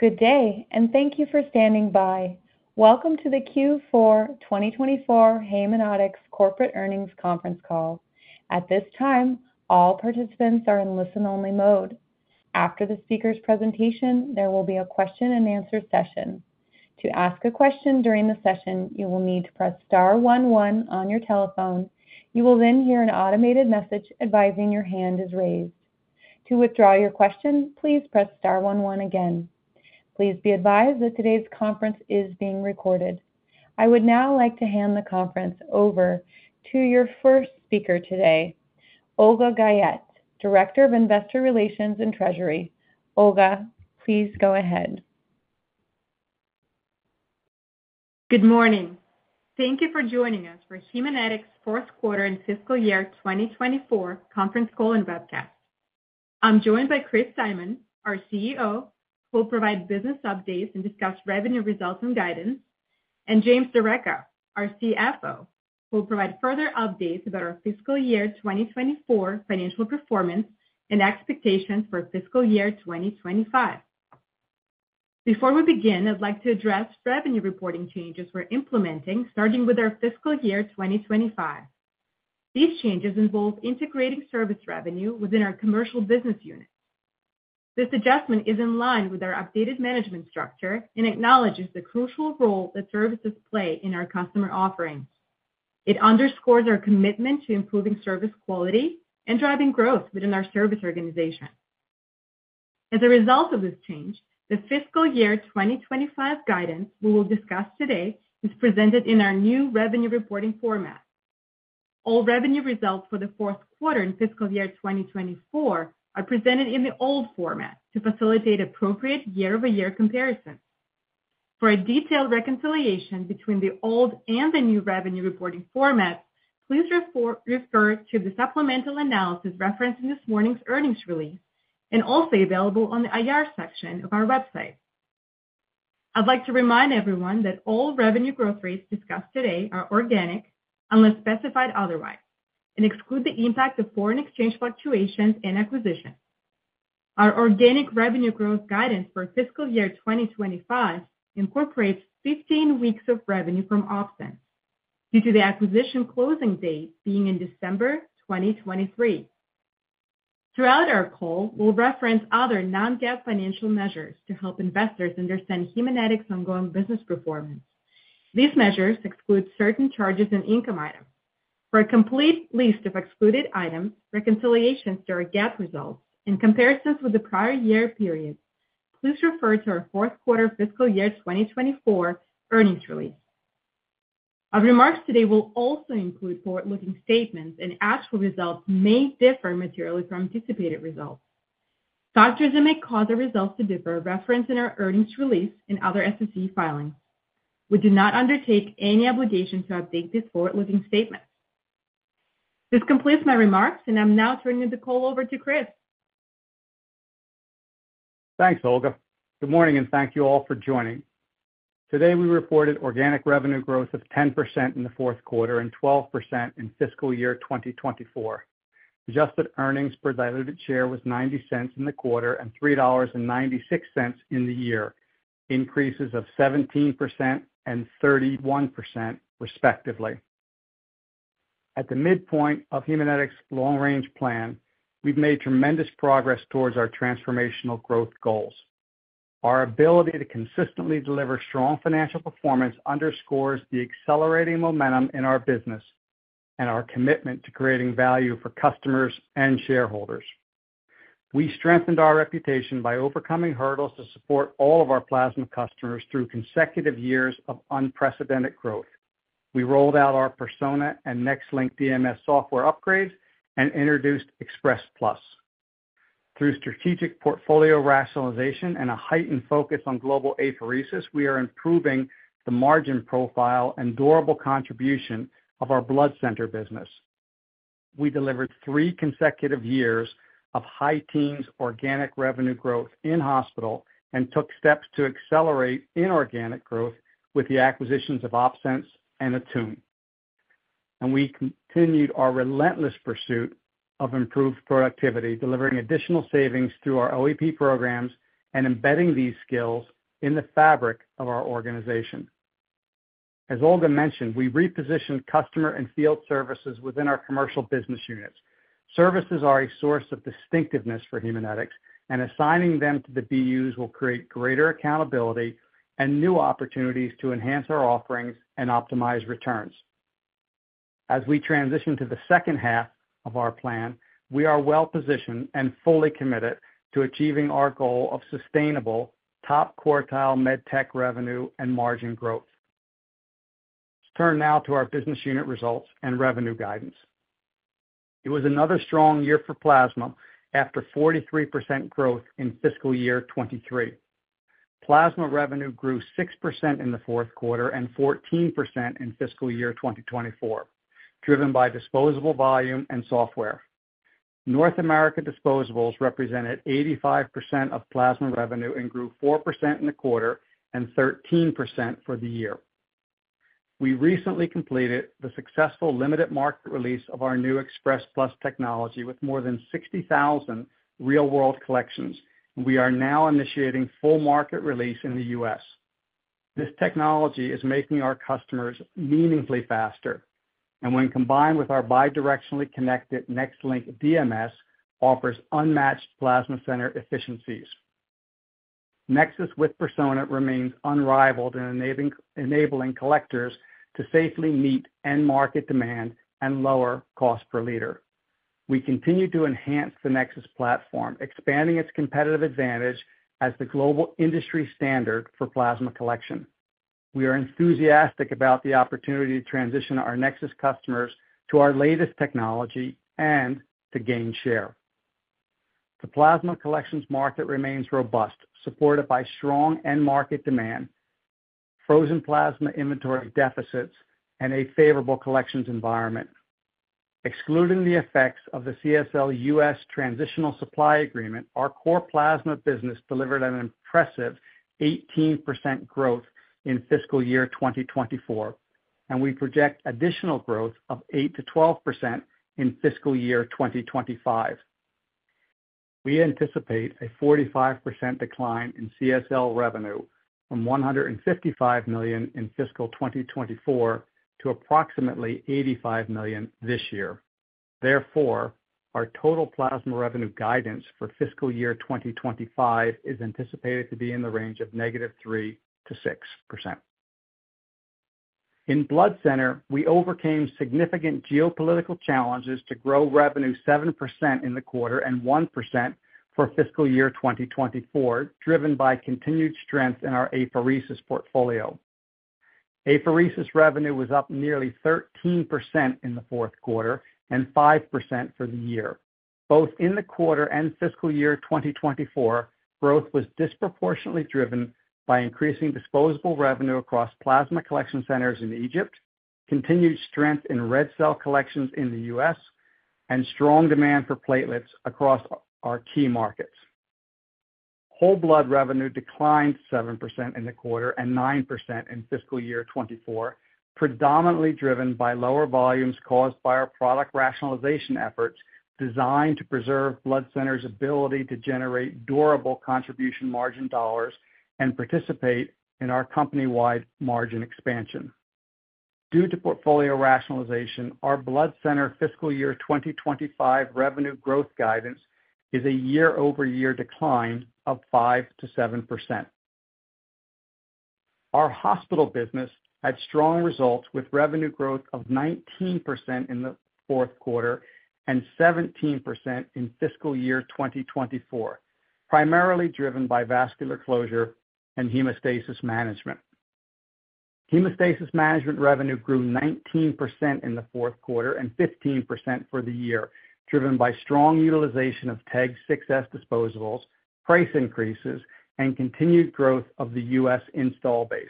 Good day, and thank you for standing by. Welcome to the Q4 2024 Haemonetics Corporate Earnings Conference Call. At this time, all participants are in listen-only mode. After the speaker's presentation, there will be a question-and-answer session. To ask a question during the session, you will need to press * 11 on your telephone. You will then hear an automated message advising your hand is raised. To withdraw your question, please press * 1 1 again. Please be advised that today's conference is being recorded. I would now like to hand the conference over to your first speaker today, Olga Guyette, Director of Investor Relations and Treasury. Olga, please go ahead. Good morning. Thank you for joining us for Haemonetics Q4 and fiscal year 2024 conference call and webcast. I'm joined by Chris Simon, our CEO, who will provide business updates and discuss revenue results and guidance, and James D'Arecca, our CFO, who will provide further updates about our fiscal year 2024 financial performance and expectations for fiscal year 2025. Before we begin, I'd like to address revenue reporting changes we're implementing, starting with our fiscal year 2025. These changes involve integrating service revenue within our commercial business unit. This adjustment is in line with our updated management structure and acknowledges the crucial role that services play in our customer offerings. It underscores our commitment to improving service quality and driving growth within our service organization. As a result of this change, the fiscal year 2025 guidance we will discuss today is presented in our new revenue reporting format. All revenue results for the fourth quarter and fiscal year 2024 are presented in the old format to facilitate appropriate year-over-year comparisons. For a detailed reconciliation between the old and the new revenue reporting formats, please refer to the supplemental analysis referenced in this morning's earnings release and also available on the IR section of our website. I'd like to remind everyone that all revenue growth rates discussed today are organic unless specified otherwise and exclude the impact of foreign exchange fluctuations and acquisitions. Our organic revenue growth guidance for fiscal year 2025 incorporates 15 weeks of revenue from OpSens due to the acquisition closing date being in December 2023. Throughout our call, we'll reference other non-GAAP financial measures to help investors understand Haemonetics ongoing business performance. These measures exclude certain charges and income items. For a complete list of excluded items, reconciliations to our GAAP results, and comparisons with the prior year period, please refer to our fourth quarter fiscal year 2024 earnings release. Our remarks today will also include forward-looking statements, and actual results may differ materially from anticipated results. Factors that may cause our results to differ are referenced in our earnings release and other SEC filings. We do not undertake any obligation to update these forward-looking statements. This completes my remarks, and I'm now turning the call over to Chris. Thanks, Olga. Good morning, and thank you all for joining. Today, we reported organic revenue growth of 10% in the Q4 and 12% in fiscal year 2024. Adjusted earnings per diluted share was $0.90 in the quarter and $3.96 in the year, increases of 17% and 31%, respectively. At the midpoint of Haemonetics long-range plan, we've made tremendous progress towards our transformational growth goals. Our ability to consistently deliver strong financial performance underscores the accelerating momentum in our business and our commitment to creating value for customers and shareholders. We strengthened our reputation by overcoming hurdles to support all of our plasma customers through consecutive years of unprecedented growth. We rolled out our Persona and NexLink DMS software upgrades and introduced Express Plus. Through strategic portfolio rationalization and a heightened focus on global apheresis, we are improving the margin profile and durable contribution of our blood center business. We delivered 3 consecutive years of high-teens organic revenue growth in hospital and took steps to accelerate inorganic growth with the acquisitions of OpSens and Attune. We continued our relentless pursuit of improved productivity, delivering additional savings through our OEP programs and embedding these skills in the fabric of our organization. As Olga mentioned, we repositioned customer and field services within our commercial business units. Services are a source of distinctiveness for Haemonetics, and assigning them to the BUs will create greater accountability and new opportunities to enhance our offerings and optimize returns. As we transition to the H2 of our plan, we are well-positioned and fully committed to achieving our goal of sustainable top-quartile medtech revenue and margin growth. Let's turn now to our business unit results and revenue guidance. It was another strong year for plasma after 43% growth in fiscal year 2023. Plasma revenue grew 6% in the Q4 and 14% in fiscal year 2024, driven by disposable volume and software. North America disposables represented 85% of plasma revenue and grew 4% in the quarter and 13% for the year. We recently completed the successful limited market release of our new Express Plus technology with more than 60,000 real-world collections, and we are now initiating full market release in the U.S. This technology is making our customers meaningfully faster, and when combined with our bidirectionally connected NextLink DMS, offers unmatched plasma center efficiencies. Nexus with Persona remains unrivaled in enabling collectors to safely meet end-market demand and lower cost per liter. We continue to enhance the Nexus platform, expanding its competitive advantage as the global industry standard for plasma collection. We are enthusiastic about the opportunity to transition our Nexus customers to our latest technology and to gain share. The plasma collections market remains robust, supported by strong end-market demand, frozen plasma inventory deficits, and a favorable collections environment. Excluding the effects of the CSL U.S. transitional supply agreement, our core plasma business delivered an impressive 18% growth in fiscal year 2024, and we project additional growth of 8%-12% in fiscal year 2025. We anticipate a 45% decline in CSL revenue from $155 million in fiscal 2024 to approximately $85 million this year. Therefore, our total plasma revenue guidance for fiscal year 2025 is anticipated to be in the range of -3%-6%. In blood center, we overcame significant geopolitical challenges to grow revenue 7% in the quarter and 1% for fiscal year 2024, driven by continued strength in our apheresis portfolio. Apheresis revenue was up nearly 13% in the Q4 and 5% for the year. Both in the quarter and fiscal year 2024, growth was disproportionately driven by increasing disposable revenue across plasma collection centers in Egypt, continued strength in red cell collections in the U.S., and strong demand for platelets across our key markets. Whole blood revenue declined 7% in the quarter and 9% in fiscal year 2024, predominantly driven by lower volumes caused by our product rationalization efforts designed to preserve blood center's ability to generate durable contribution margin dollars and participate in our company-wide margin expansion. Due to portfolio rationalization, our blood center fiscal year 2025 revenue growth guidance is a year-over-year decline of 5%-7%. Our hospital business had strong results with revenue growth of 19% in the Q4 and 17% in fiscal year 2024, primarily driven by vascular closure and hemostasis management. Hemostasis management revenue grew 19% in the Q4 and 15% for the year, driven by strong utilization of TEG 6s disposables, price increases, and continued growth of the U.S. install base.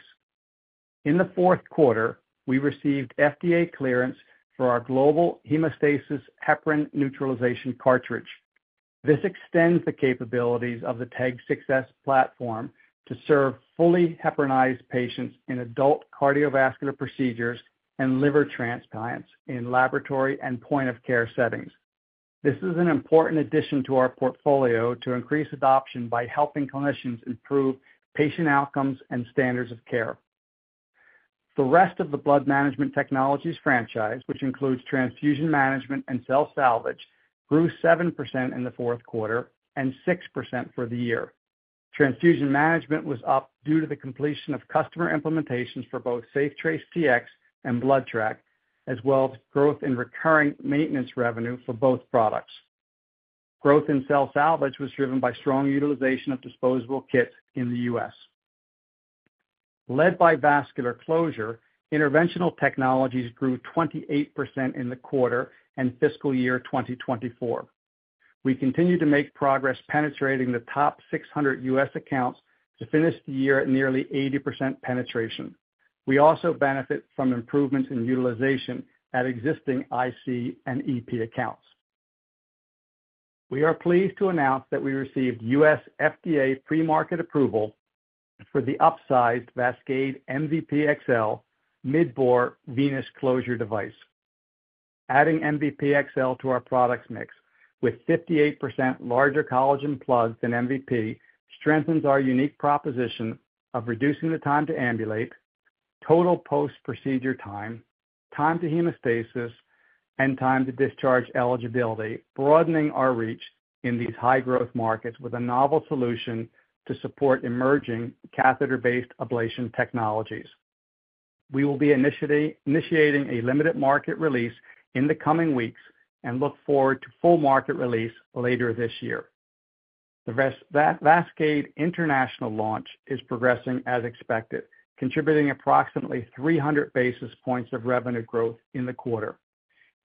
In the Q4, we received FDA clearance for our global hemostasis heparin neutralization cartridge. This extends the capabilities of the TEG 6s platform to serve fully heparinized patients in adult cardiovascular procedures and liver transplants in laboratory and point-of-care settings. This is an important addition to our portfolio to increase adoption by helping clinicians improve patient outcomes and standards of care. The rest of the blood management technologies franchise, which includes transfusion management and cell salvage, grew 7% in the Q4 and 6% for the year. Transfusion management was up due to the completion of customer implementations for both SafeTrace Tx and BloodTrack, as well as growth in recurring maintenance revenue for both products. Growth in cell salvage was driven by strong utilization of disposable kits in the U.S. Led by vascular closure, interventional technologies grew 28% in the quarter and fiscal year 2024. We continue to make progress penetrating the top 600 U.S. accounts to finish the year at nearly 80% penetration. We also benefit from improvements in utilization at existing IC and EP accounts. We are pleased to announce that we received U.S. FDA pre-market approval for the upsized VASCADE MVP XL mid-bore venous closure device. Adding MVP XL to our products mix with 58% larger collagen plugs than MVP strengthens our unique proposition of reducing the time to ambulate, total post-procedure time, time to hemostasis, and time to discharge eligibility, broadening our reach in these high-growth markets with a novel solution to support emerging catheter-based ablation technologies. We will be initiating a limited market release in the coming weeks and look forward to full market release later this year. The VASCADE international launch is progressing as expected, contributing approximately 300 basis points of revenue growth in the quarter.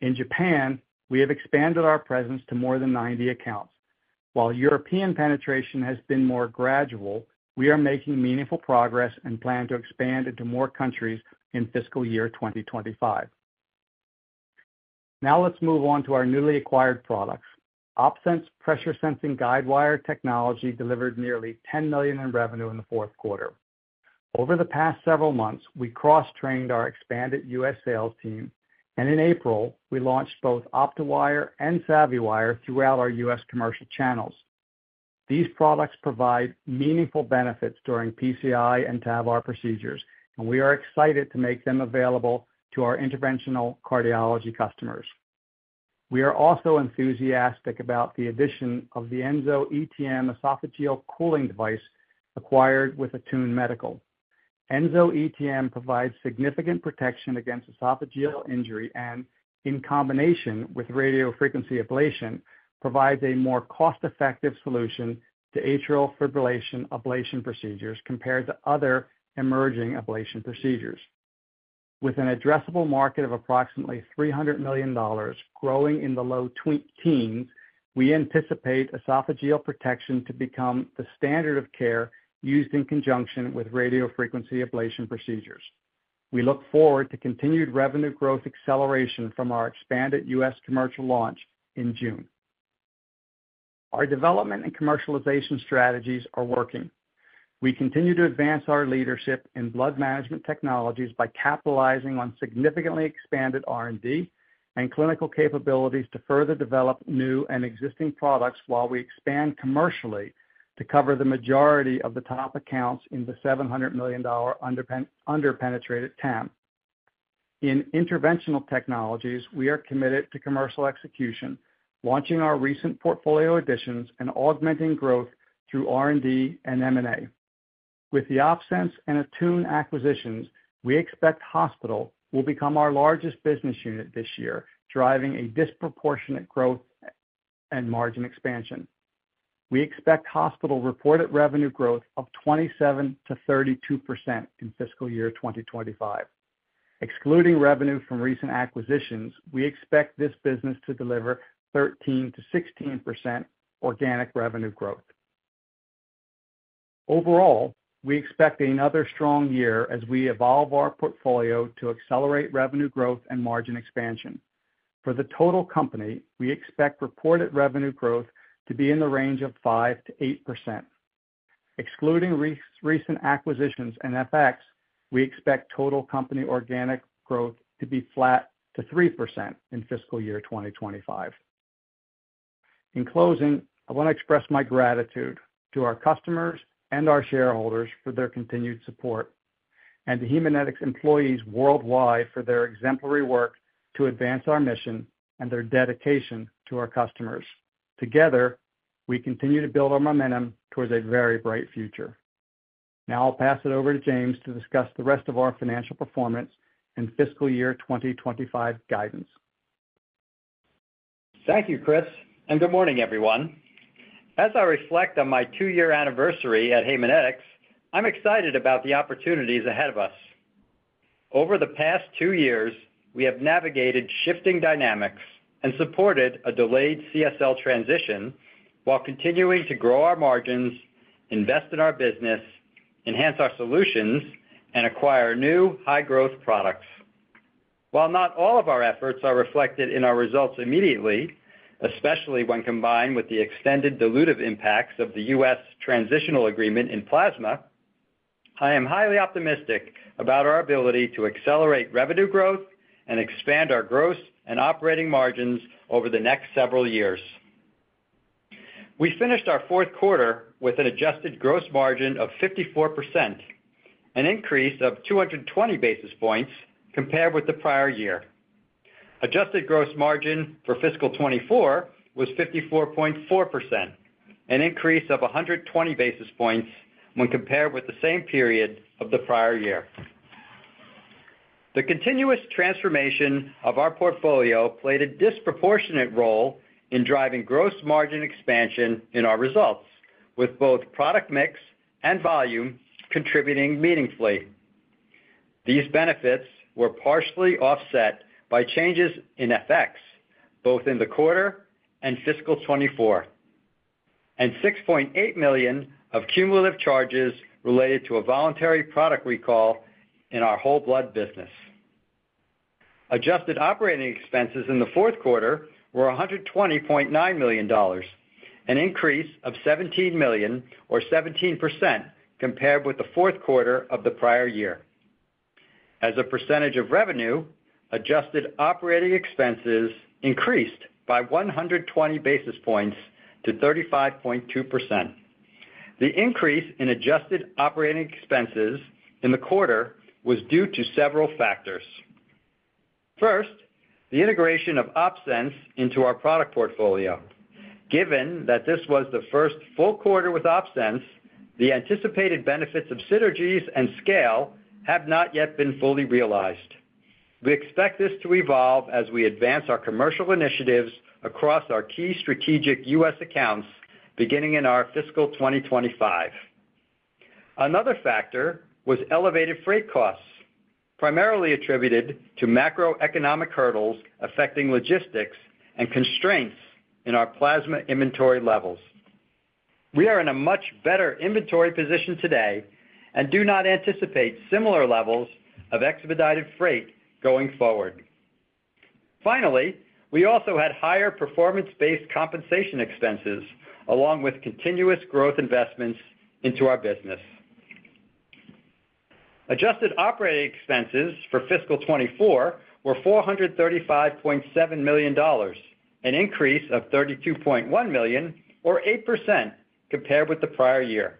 In Japan, we have expanded our presence to more than 90 accounts. While European penetration has been more gradual, we are making meaningful progress and plan to expand into more countries in fiscal year 2025. Now let's move on to our newly acquired products. OpSens pressure sensing guidewire technology delivered nearly $10 million in revenue in the fourth quarter. Over the past several months, we cross-trained our expanded U.S. sales team, and in April, we launched both OptoWire and SavvyWire throughout our U.S. commercial channels. These products provide meaningful benefits during PCI and TAVR procedures, and we are excited to make them available to our interventional cardiology customers. We are also enthusiastic about the addition of the EnsoETM esophageal cooling device acquired with Attune Medical. EnsoETM provides significant protection against esophageal injury and, in combination with radiofrequency ablation, provides a more cost-effective solution to atrial fibrillation ablation procedures compared to other emerging ablation procedures. With an addressable market of approximately $300 million growing in the low teens, we anticipate esophageal protection to become the standard of care used in conjunction with radiofrequency ablation procedures. We look forward to continued revenue growth acceleration from our expanded U.S. commercial launch in June. Our development and commercialization strategies are working. We continue to advance our leadership in blood management technologies by capitalizing on significantly expanded R&D and clinical capabilities to further develop new and existing products while we expand commercially to cover the majority of the top accounts in the $700 million underpenetrated TAM. In interventional technologies, we are committed to commercial execution, launching our recent portfolio additions and augmenting growth through R&D and M&A. With the OpSens and Attune acquisitions, we expect hospital will become our largest business unit this year, driving a disproportionate growth and margin expansion. We expect hospital reported revenue growth of 27%-32% in fiscal year 2025. Excluding revenue from recent acquisitions, we expect this business to deliver 13%-16% organic revenue growth. Overall, we expect another strong year as we evolve our portfolio to accelerate revenue growth and margin expansion. For the total company, we expect reported revenue growth to be in the range of 5%-8%. Excluding recent acquisitions and FX, we expect total company organic growth to be flat to 3% in fiscal year 2025. In closing, I want to express my gratitude to our customers and our shareholders for their continued support and to Haemonetics employees worldwide for their exemplary work to advance our mission and their dedication to our customers. Together, we continue to build our momentum towards a very bright future. Now I'll pass it over to James to discuss the rest of our financial performance and fiscal year 2025 guidance. Thank you, Chris, and good morning, everyone. As I reflect on my two-year anniversary at Haemonetics, I'm excited about the opportunities ahead of us. Over the past two years, we have navigated shifting dynamics and supported a delayed CSL transition while continuing to grow our margins, invest in our business, enhance our solutions, and acquire new high-growth products. While not all of our efforts are reflected in our results immediately, especially when combined with the extended dilutive impacts of the U.S. transitional agreement in plasma, I am highly optimistic about our ability to accelerate revenue growth and expand our gross and operating margins over the next several years. We finished our fourth quarter with an adjusted gross margin of 54%, an increase of 220 basis points compared with the prior year. Adjusted gross margin for fiscal 2024 was 54.4%, an increase of 120 basis points when compared with the same period of the prior year. The continuous transformation of our portfolio played a disproportionate role in driving gross margin expansion in our results, with both product mix and volume contributing meaningfully. These benefits were partially offset by changes in FX both in the quarter and fiscal 2024 and $6.8 million of cumulative charges related to a voluntary product recall in our whole blood business. Adjusted operating expenses in the fourth quarter were $120.9 million, an increase of $17 million or 17% compared with the fourth quarter of the prior year. As a percentage of revenue, adjusted operating expenses increased by 120 basis points to 35.2%. The increase in adjusted operating expenses in the quarter was due to several factors. First, the integration of OpSens into our product portfolio. Given that this was the first full quarter with OpSens, the anticipated benefits of synergies and scale have not yet been fully realized. We expect this to evolve as we advance our commercial initiatives across our key strategic U.S. accounts beginning in our fiscal 2025. Another factor was elevated freight costs, primarily attributed to macroeconomic hurdles affecting logistics and constraints in our plasma inventory levels. We are in a much better inventory position today and do not anticipate similar levels of expedited freight going forward. Finally, we also had higher performance-based compensation expenses along with continuous growth investments into our business. Adjusted operating expenses for fiscal 2024 were $435.7 million, an increase of $32.1 million or 8% compared with the prior year.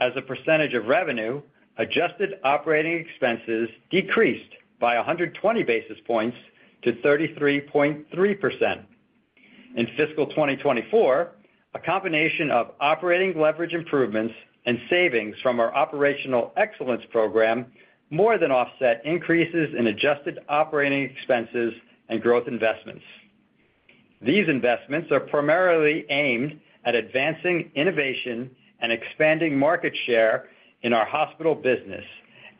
As a percentage of revenue, adjusted operating expenses decreased by 120 basis points to 33.3%. In fiscal 2024, a combination of operating leverage improvements and savings from our operational excellence program more than offset increases in adjusted operating expenses and growth investments. These investments are primarily aimed at advancing innovation and expanding market share in our hospital business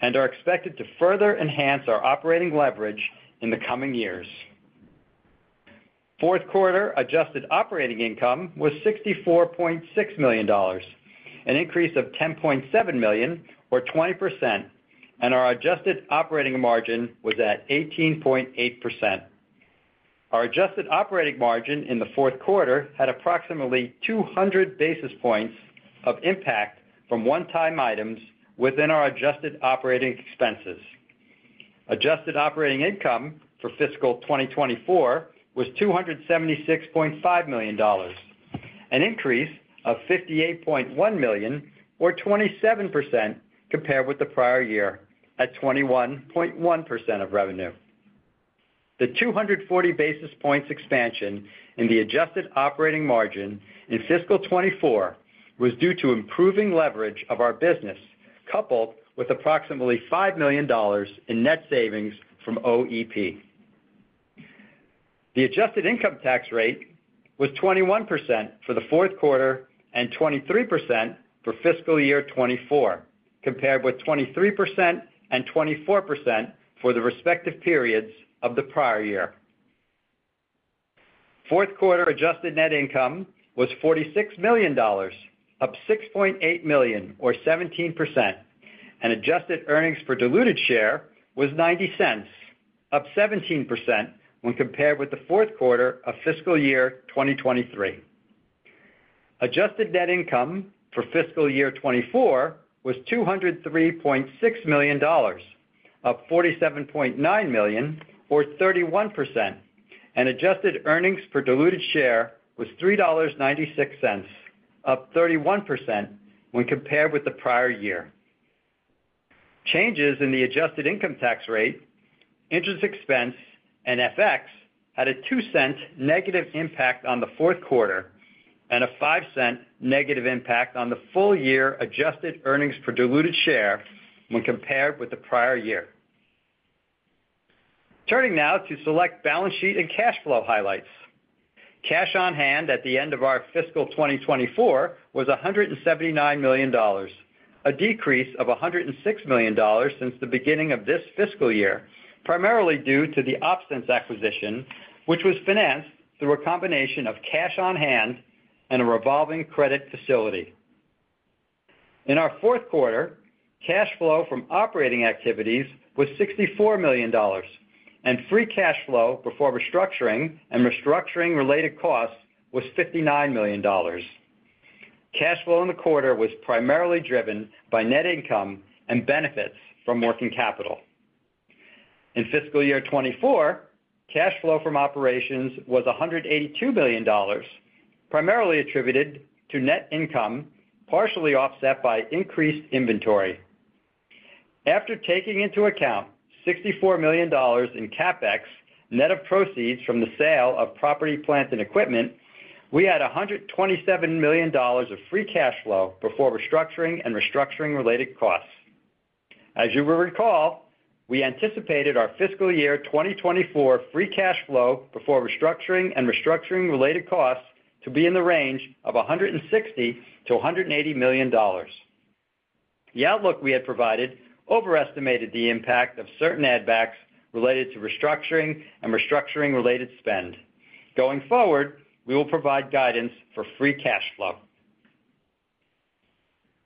and are expected to further enhance our operating leverage in the coming years. Fourth quarter adjusted operating income was $64.6 million, an increase of $10.7 million or 20%, and our adjusted operating margin was at 18.8%. Our adjusted operating margin in the fourth quarter had approximately 200 basis points of impact from one-time items within our adjusted operating expenses. Adjusted operating income for fiscal 2024 was $276.5 million, an increase of $58.1 million or 27% compared with the prior year at 21.1% of revenue. The 240 basis points expansion in the adjusted operating margin in fiscal 2024 was due to improving leverage of our business coupled with approximately $5 million in net savings from OEP. The adjusted income tax rate was 21% for the fourth quarter and 23% for fiscal year 2024 compared with 23% and 24% for the respective periods of the prior year. Fourth quarter adjusted net income was $46 million, up $6.8 million or 17%, and adjusted earnings for diluted share was $0.90, up 17% when compared with the fourth quarter of fiscal year 2023. Adjusted net income for fiscal year 2024 was $203.6 million, up $47.9 million or 31%, and adjusted earnings for diluted share was $3.96, up 31% when compared with the prior year. Changes in the adjusted income tax rate, interest expense, and FX had a $0.02 negative impact on the fourth quarter and a $0.05 negative impact on the full year adjusted earnings for diluted share when compared with the prior year. Turning now to select balance sheet and cash flow highlights. Cash on hand at the end of our fiscal 2024 was $179 million, a decrease of $106 million since the beginning of this fiscal year primarily due to the OpSens acquisition, which was financed through a combination of cash on hand and a revolving credit facility. In our fourth quarter, cash flow from operating activities was $64 million, and free cash flow before restructuring and restructuring-related costs was $59 million. Cash flow in the quarter was primarily driven by net income and benefits from working capital. In fiscal year 2024, cash flow from operations was $182 million, primarily attributed to net income partially offset by increased inventory. After taking into account $64 million in CapEx net of proceeds from the sale of property, plant, and equipment, we had $127 million of free cash flow before restructuring and restructuring-related costs. As you will recall, we anticipated our fiscal year 2024 free cash flow before restructuring and restructuring-related costs to be in the range of $160-$180 million. The outlook we had provided overestimated the impact of certain ad backs related to restructuring and restructuring-related spend. Going forward, we will provide guidance for free cash flow.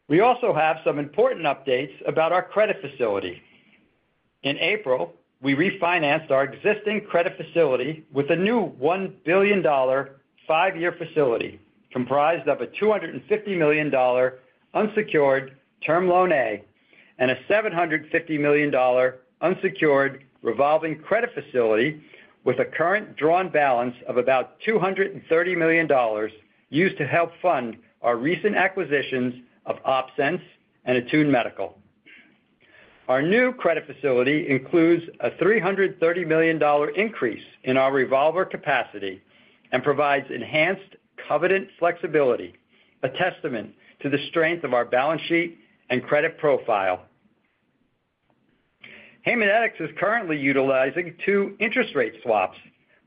We also have some important updates about our credit facility. In April, we refinanced our existing credit facility with a new $1 billion five-year facility comprised of a $250 million unsecured term loan A and a $750 million unsecured revolving credit facility with a current drawn balance of about $230 million used to help fund our recent acquisitions of OpSens and Attune Medical. Our new credit facility includes a $330 million increase in our revolver capacity and provides enhanced covenant flexibility, a testament to the strength of our balance sheet and credit profile. Haemonetics is currently utilizing two interest rate swaps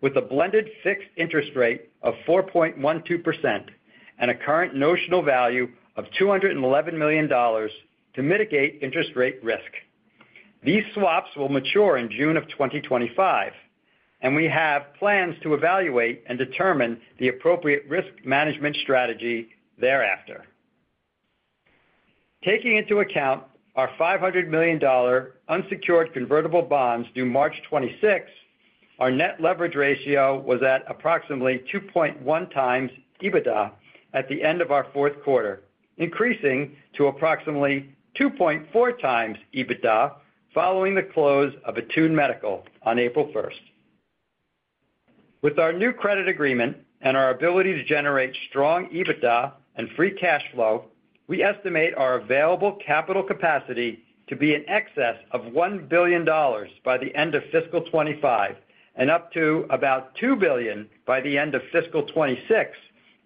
with a blended fixed interest rate of 4.12% and a current notional value of $211 million to mitigate interest rate risk. These swaps will mature in June of 2025, and we have plans to evaluate and determine the appropriate risk management strategy thereafter. Taking into account our $500 million unsecured convertible bonds due March 26, our net leverage ratio was at approximately 2.1x EBITDA at the end of our fourth quarter, increasing to approximately 2.4x EBITDA following the close of Attune Medical on April 1st. With our new credit agreement and our ability to generate strong EBITDA and free cash flow, we estimate our available capital capacity to be in excess of $1 billion by the end of fiscal 2025 and up to about $2 billion by the end of fiscal 2026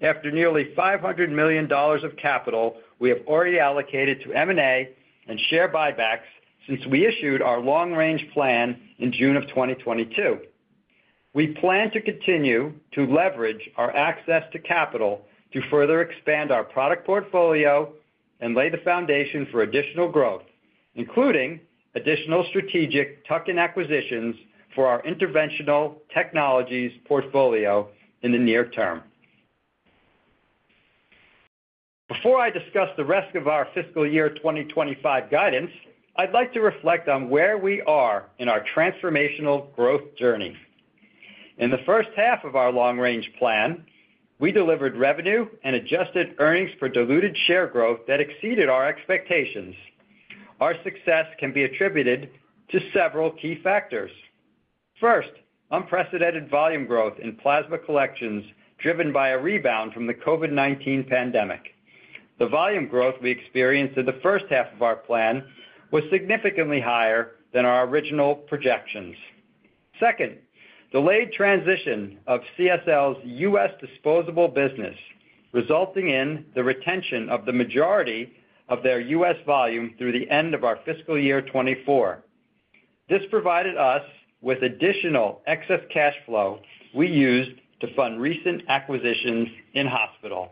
after nearly $500 million of capital we have already allocated to M&A and share buybacks since we issued our long-range plan in June of 2022. We plan to continue to leverage our access to capital to further expand our product portfolio and lay the foundation for additional growth, including additional strategic tuck-in acquisitions for our interventional technologies portfolio in the near term. Before I discuss the rest of our fiscal year 2025 guidance, I'd like to reflect on where we are in our transformational growth journey. In the first half of our long-range plan, we delivered revenue and adjusted earnings for diluted share growth that exceeded our expectations. Our success can be attributed to several key factors. First, unprecedented volume growth in plasma collections driven by a rebound from the COVID-19 pandemic. The volume growth we experienced in the first half of our plan was significantly higher than our original projections. Second, delayed transition of CSL's U.S. disposable business resulting in the retention of the majority of their U.S. volume through the end of our fiscal year 2024. This provided us with additional excess cash flow we used to fund recent acquisitions in hospital.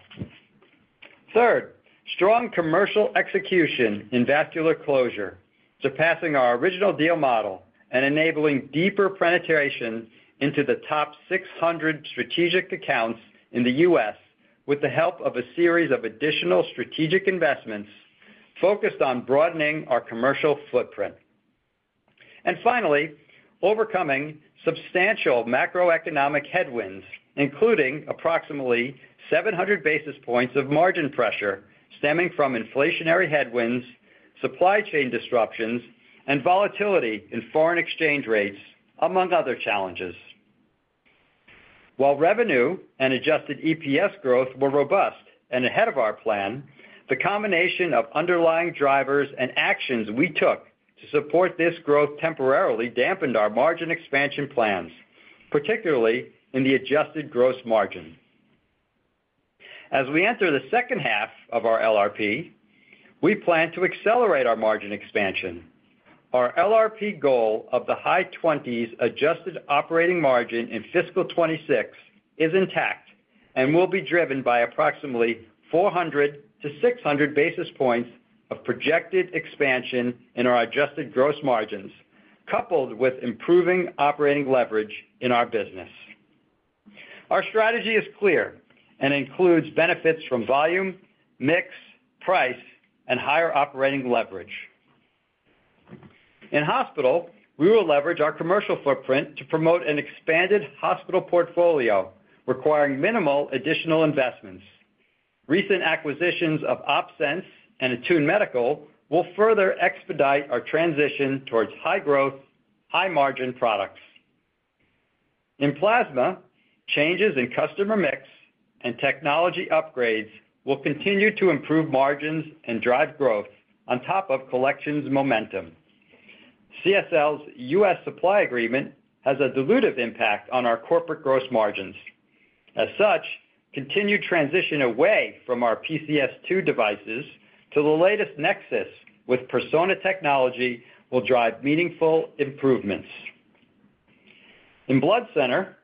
Third, strong commercial execution in vascular closure, surpassing our original deal model and enabling deeper penetration into the top 600 strategic accounts in the U.S. with the help of a series of additional strategic investments focused on broadening our commercial footprint. Finally, overcoming substantial macroeconomic headwinds including approximately 700 basis points of margin pressure stemming from inflationary headwinds, supply chain disruptions, and volatility in foreign exchange rates, among other challenges. While revenue and adjusted EPS growth were robust and ahead of our plan, the combination of underlying drivers and actions we took to support this growth temporarily dampened our margin expansion plans, particularly in the adjusted gross margin. As we enter the second half of our LRP, we plan to accelerate our margin expansion. Our LRP goal of the high 20s adjusted operating margin in fiscal 2026 is intact and will be driven by approximately 400-600 basis points of projected expansion in our adjusted gross margins coupled with improving operating leverage in our business. Our strategy is clear and includes benefits from volume, mix, price, and higher operating leverage. In hospital, we will leverage our commercial footprint to promote an expanded hospital portfolio requiring minimal additional investments. Recent acquisitions of OpSens and Attune Medical will further expedite our transition towards high growth, high margin products. In plasma, changes in customer mix and technology upgrades will continue to improve margins and drive growth on top of collections momentum. CSL's US supply agreement has a dilutive impact on our corporate gross margins. As such, continued transition away from our PCS2 devices to the latest Nexus with Persona technology will drive meaningful improvements. In blood center,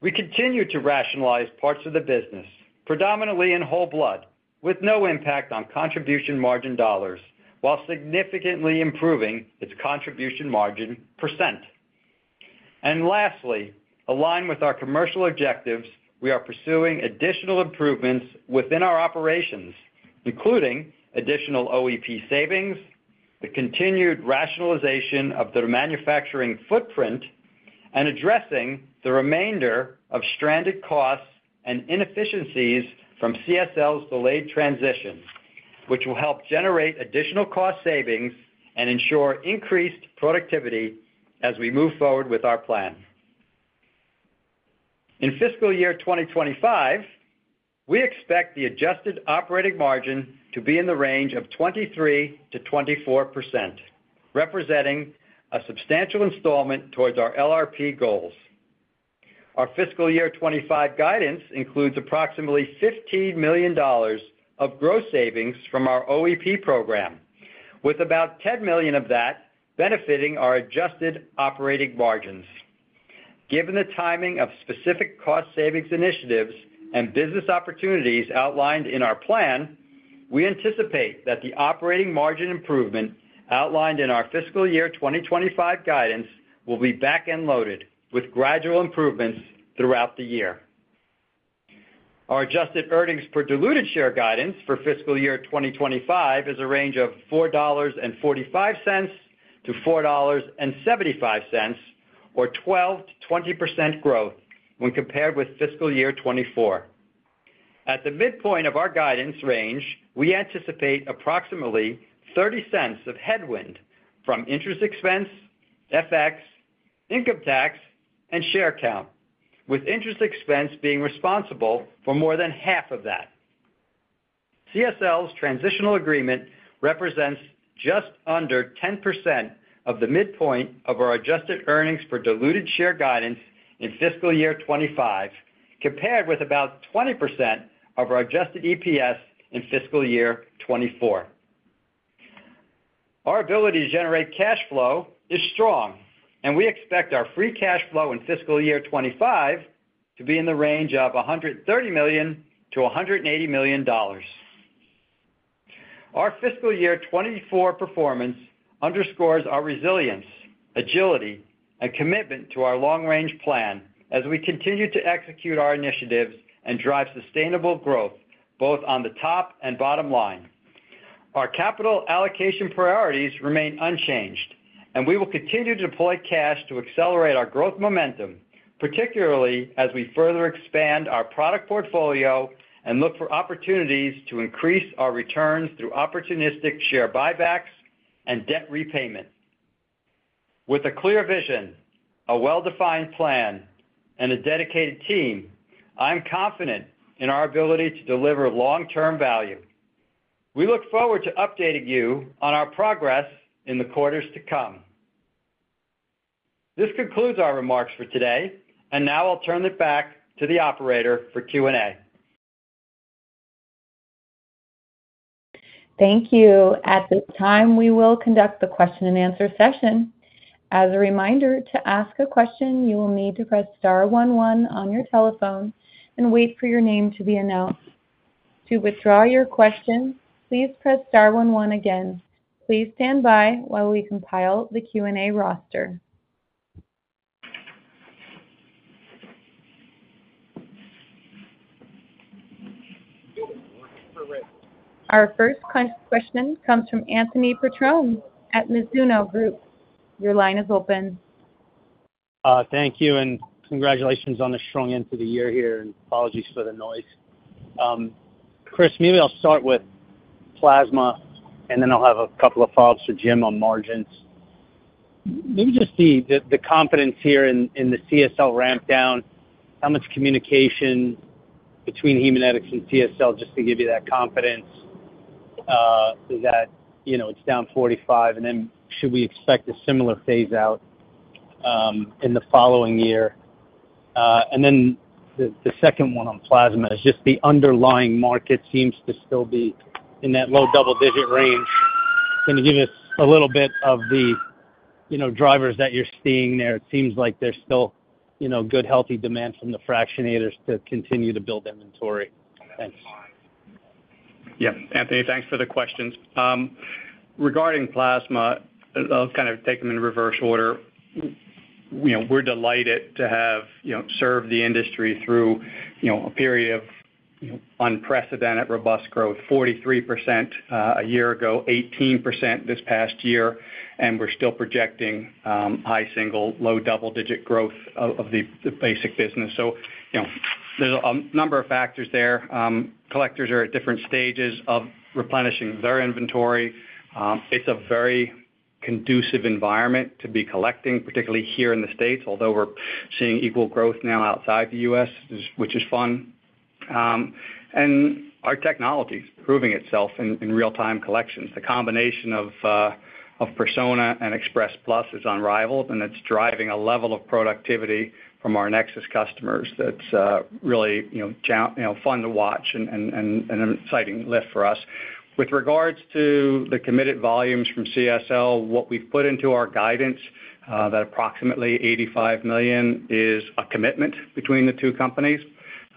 we continue to rationalize parts of the business, predominantly in whole blood, with no impact on contribution margin dollars while significantly improving its contribution margin percent. Lastly, aligned with our commercial objectives, we are pursuing additional improvements within our operations, including additional OEP savings, the continued rationalization of the manufacturing footprint, and addressing the remainder of stranded costs and inefficiencies from CSL's delayed transition, which will help generate additional cost savings and ensure increased productivity as we move forward with our plan. In fiscal year 2025, we expect the adjusted operating margin to be in the range of 23%-24%, representing a substantial installment towards our LRP goals. Our fiscal year 2025 guidance includes approximately $15 million of gross savings from our OEP program, with about $10 million of that benefiting our adjusted operating margins. Given the timing of specific cost savings initiatives and business opportunities outlined in our plan, we anticipate that the operating margin improvement outlined in our fiscal year 2025 guidance will be back-end loaded with gradual improvements throughout the year. Our adjusted earnings per diluted share guidance for fiscal year 2025 is a range of $4.45-$4.75 or 12%-20% growth when compared with fiscal year 2024. At the midpoint of our guidance range, we anticipate approximately $0.30 of headwind from interest expense, FX, income tax, and share count, with interest expense being responsible for more than half of that. CSL's transitional agreement represents just under 10% of the midpoint of our adjusted earnings per diluted share guidance in fiscal year 2025 compared with about 20% of our adjusted EPS in fiscal year 2024. Our ability to generate cash flow is strong, and we expect our free cash flow in fiscal year 2025 to be in the range of $130 million-$180 million. Our fiscal year 2024 performance underscores our resilience, agility, and commitment to our long-range plan as we continue to execute our initiatives and drive sustainable growth both on the top and bottom line. Our capital allocation priorities remain unchanged, and we will continue to deploy cash to accelerate our growth momentum, particularly as we further expand our product portfolio and look for opportunities to increase our returns through opportunistic share buybacks and debt repayment. With a clear vision, a well-defined plan, and a dedicated team, I'm confident in our ability to deliver long-term value. We look forward to updating you on our progress in the quarters to come. This concludes our remarks for today, and now I'll turn it back to the operator for Q&A. Thank you. At this time, we will conduct the question-and-answer session. As a reminder, to ask a question, you will need to press * 1 1 on your telephone and wait for your name to be announced. To withdraw your question, please press * 1 1 again. Please stand by while we compile the Q&A roster. Our first question comes from Anthony Petrone at Mizuho Group. Your line is open. Thank you, and congratulations on the strong end to the year here, and apologies for the noise. Chris, maybe I'll start with plasma, and then I'll have a couple of follow-ups for Jim on margins. Maybe just the confidence here in the CSL rampdown. How much communication between Haemonetics and CSL, just to give you that confidence, that it's down 45%, and then should we expect a similar phase-out in the following year? And then the second one on plasma is just the underlying market seems to still be in that low double-digit range. Can you give us a little bit of the drivers that you're seeing there? It seems like there's still good, healthy demand from the fractionators to continue to build inventory. Thanks. Yep. Anthony, thanks for the questions. Regarding plasma, I'll kind of take them in reverse order. We're delighted to have served the industry through a period of unprecedented robust growth: 43% a year ago, 18% this past year, and we're still projecting high single, low double-digit growth of the basic business. So there's a number of factors there. Collectors are at different stages of replenishing their inventory. It's a very conducive environment to be collecting, particularly here in the States, although we're seeing equal growth now outside the U.S., which is fun. Our technology's proving itself in real-time collections. The combination of Persona and Express Plus is unrivaled, and it's driving a level of productivity from our Nexus customers that's really fun to watch and an exciting lift for us. With regards to the committed volumes from CSL, what we've put into our guidance, that approximately $85 million is a commitment between the two companies.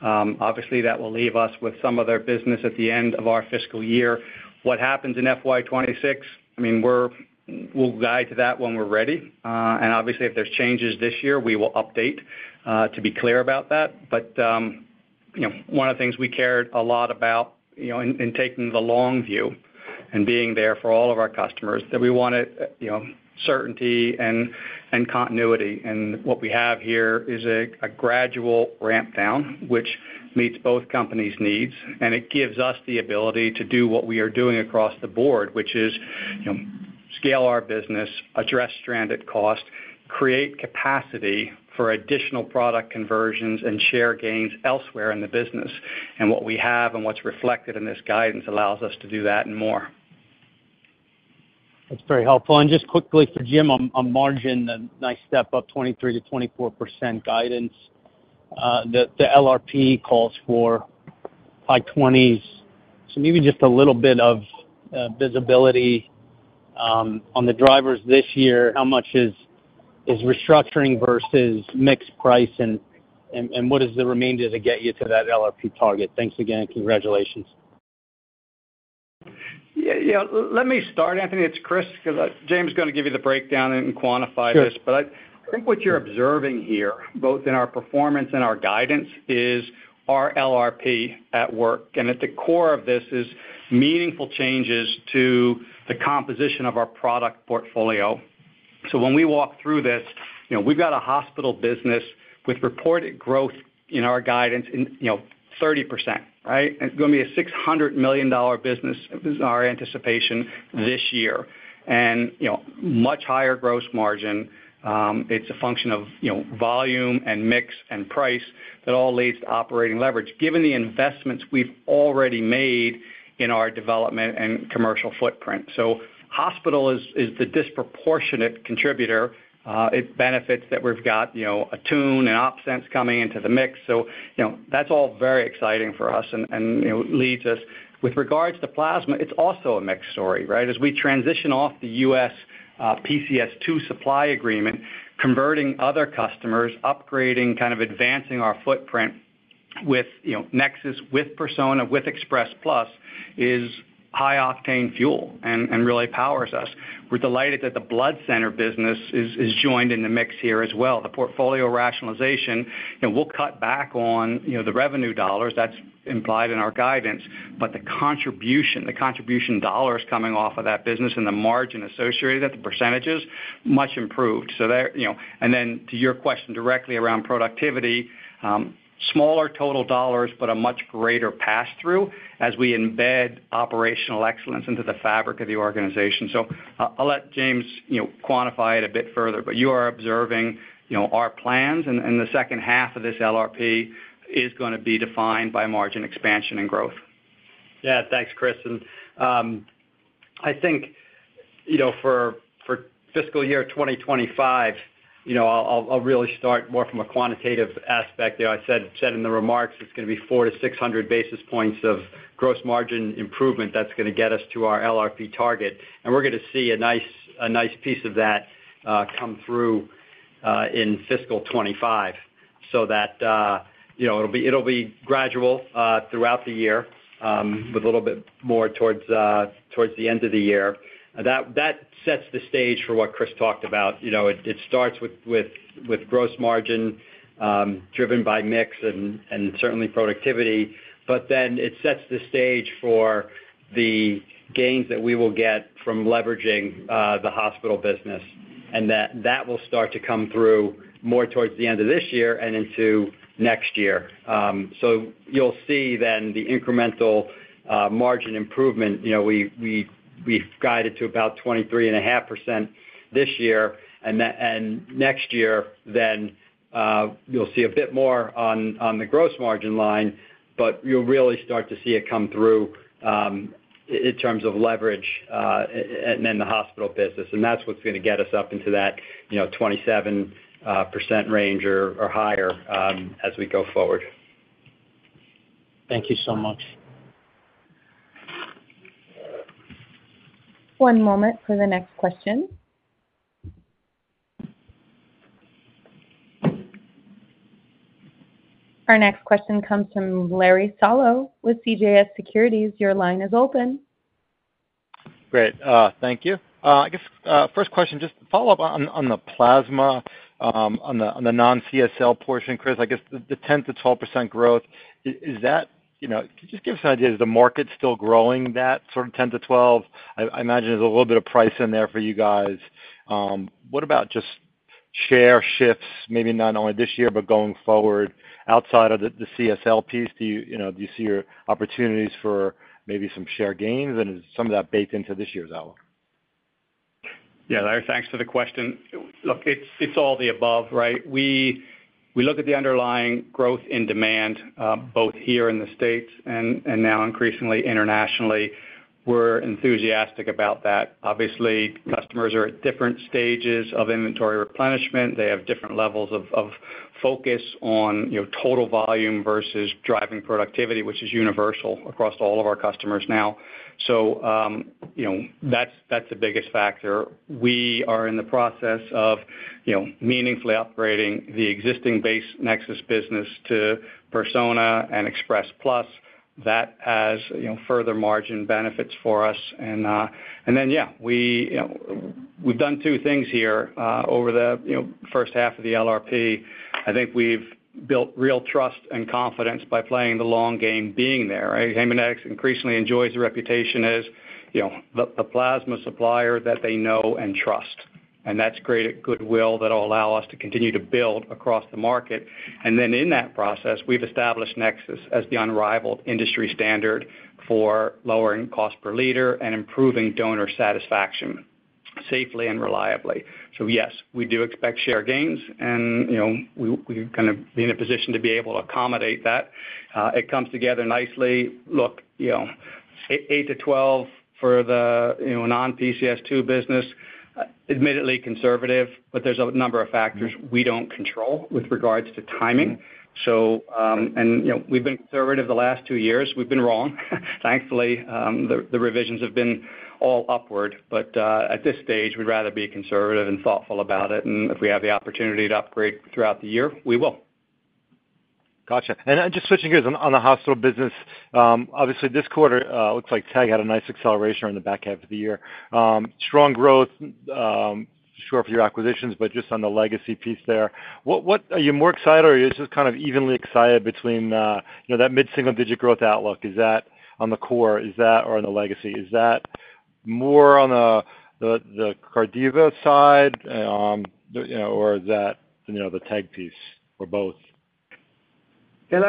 Obviously, that will leave us with some of their business at the end of our fiscal year. What happens in FY 2026? I mean, we'll guide to that when we're ready. And obviously, if there's changes this year, we will update to be clear about that. But one of the things we cared a lot about in taking the long view and being there for all of our customers is that we wanted certainty and continuity. And what we have here is a gradual ramp-down, which meets both companies' needs, and it gives us the ability to do what we are doing across the board, which is scale our business, address stranded cost, create capacity for additional product conversions, and share gains elsewhere in the business. And what we have and what's reflected in this guidance allows us to do that and more. That's very helpful. And just quickly for Jim, on margin, the nice step up 23%-24% guidance, the LRP calls for high 20s%. So maybe just a little bit of visibility on the drivers this year. How much is restructuring versus mixed price, and what is the remainder to get you to that LRP target? Thanks again, and congratulations. Let me start, Anthony. It's Chris because James is going to give you the breakdown and quantify this. But I think what you're observing here, both in our performance and our guidance, is our LRP at work. And at the core of this is meaningful changes to the composition of our product portfolio. So when we walk through this, we've got a hospital business with reported growth in our guidance in 30%, right? It's going to be a $600 million business is our anticipation this year and much higher gross margin. It's a function of volume and mix and price that all leads to operating leverage given the investments we've already made in our development and commercial footprint. So hospital is the disproportionate contributor. It benefits that we've got Attune and OpSens coming into the mix. So that's all very exciting for us and leads us with regards to plasma, it's also a mixed story, right? As we transition off the U.S. PCS2 supply agreement, converting other customers, upgrading, kind of advancing our footprint with Nexus, with Persona, with Express Plus is high-octane fuel and really powers us. We're delighted that the blood center business is joined in the mix here as well. The portfolio rationalization, we'll cut back on the revenue dollars. That's implied in our guidance. But the contribution dollars coming off of that business and the margin associated with it, the percentages, much improved. And then to your question directly around productivity, smaller total dollars but a much greater pass-through as we embed operational excellence into the fabric of the organization. So I'll let James quantify it a bit further. But you are observing our plans, and the second half of this LRP is going to be defined by margin expansion and growth. Yeah. Thanks, Chris. And I think for fiscal year 2025, I'll really start more from a quantitative aspect. I said in the remarks, it's going to be 400-600 basis points of gross margin improvement that's going to get us to our LRP target. And we're going to see a nice piece of that come through in fiscal 2025 so that it'll be gradual throughout the year with a little bit more towards the end of the year. That sets the stage for what Chris talked about. It starts with gross margin driven by mix and certainly productivity, but then it sets the stage for the gains that we will get from leveraging the hospital business. That will start to come through more towards the end of this year and into next year. So you'll see then the incremental margin improvement. We've guided to about 23.5% this year. And next year, then you'll see a bit more on the gross margin line, but you'll really start to see it come through in terms of leverage and then the hospital business. And that's what's going to get us up into that 27% range or higher as we go forward. Thank you so much. One moment for the next question. Our next question comes from Larry Solow with CJS Securities. Your line is open. Great. Thank you. I guess first question, just follow-up on the plasma, on the non-CSL portion, Chris. I guess the 10%-12% growth, could you just give us an idea? Is the market still growing that sort of 10%-12%? I imagine there's a little bit of price in there for you guys. What about just share shifts, maybe not only this year but going forward outside of the CSL piece? Do you see opportunities for maybe some share gains, and is some of that baked into this year's outlook? Yeah. Larry, thanks for the question. Look, it's all the above, right? We look at the underlying growth in demand both here in the States and now increasingly internationally. We're enthusiastic about that. Obviously, customers are at different stages of inventory replenishment. They have different levels of focus on total volume versus driving productivity, which is universal across all of our customers now. So that's the biggest factor. We are in the process of meaningfully upgrading the existing base Nexus business to Persona and Express Plus. That has further margin benefits for us. And then, yeah, we've done two things here over the first half of the LRP. I think we've built real trust and confidence by playing the long game, being there, right? Haemonetics increasingly enjoys the reputation as the plasma supplier that they know and trust. And that's great at goodwill that'll allow us to continue to build across the market. And then in that process, we've established Nexus as the unrivaled industry standard for lowering cost per liter and improving donor satisfaction safely and reliably. So yes, we do expect share gains, and we're going to be in a position to be able to accommodate that. It comes together nicely. Look, 8-12 for the non-PCS2 business, admittedly conservative, but there's a number of factors we don't control with regards to timing. And we've been conservative the last 2 years. We've been wrong. Thankfully, the revisions have been all upward. But at this stage, we'd rather be conservative and thoughtful about it. And if we have the opportunity to upgrade throughout the year, we will. Gotcha. And just switching gears on the hospital business, obviously, this quarter, it looks like TEG had a nice acceleration around the back half of the year. Strong growth, sure, for your acquisitions, but just on the legacy piece there, are you more excited, or are you just kind of evenly excited between that mid-single-digit growth outlook? Is that on the core? Is that or on the legacy? Is that more on the Cardiva side, or is that the TEG piece or both? Yeah,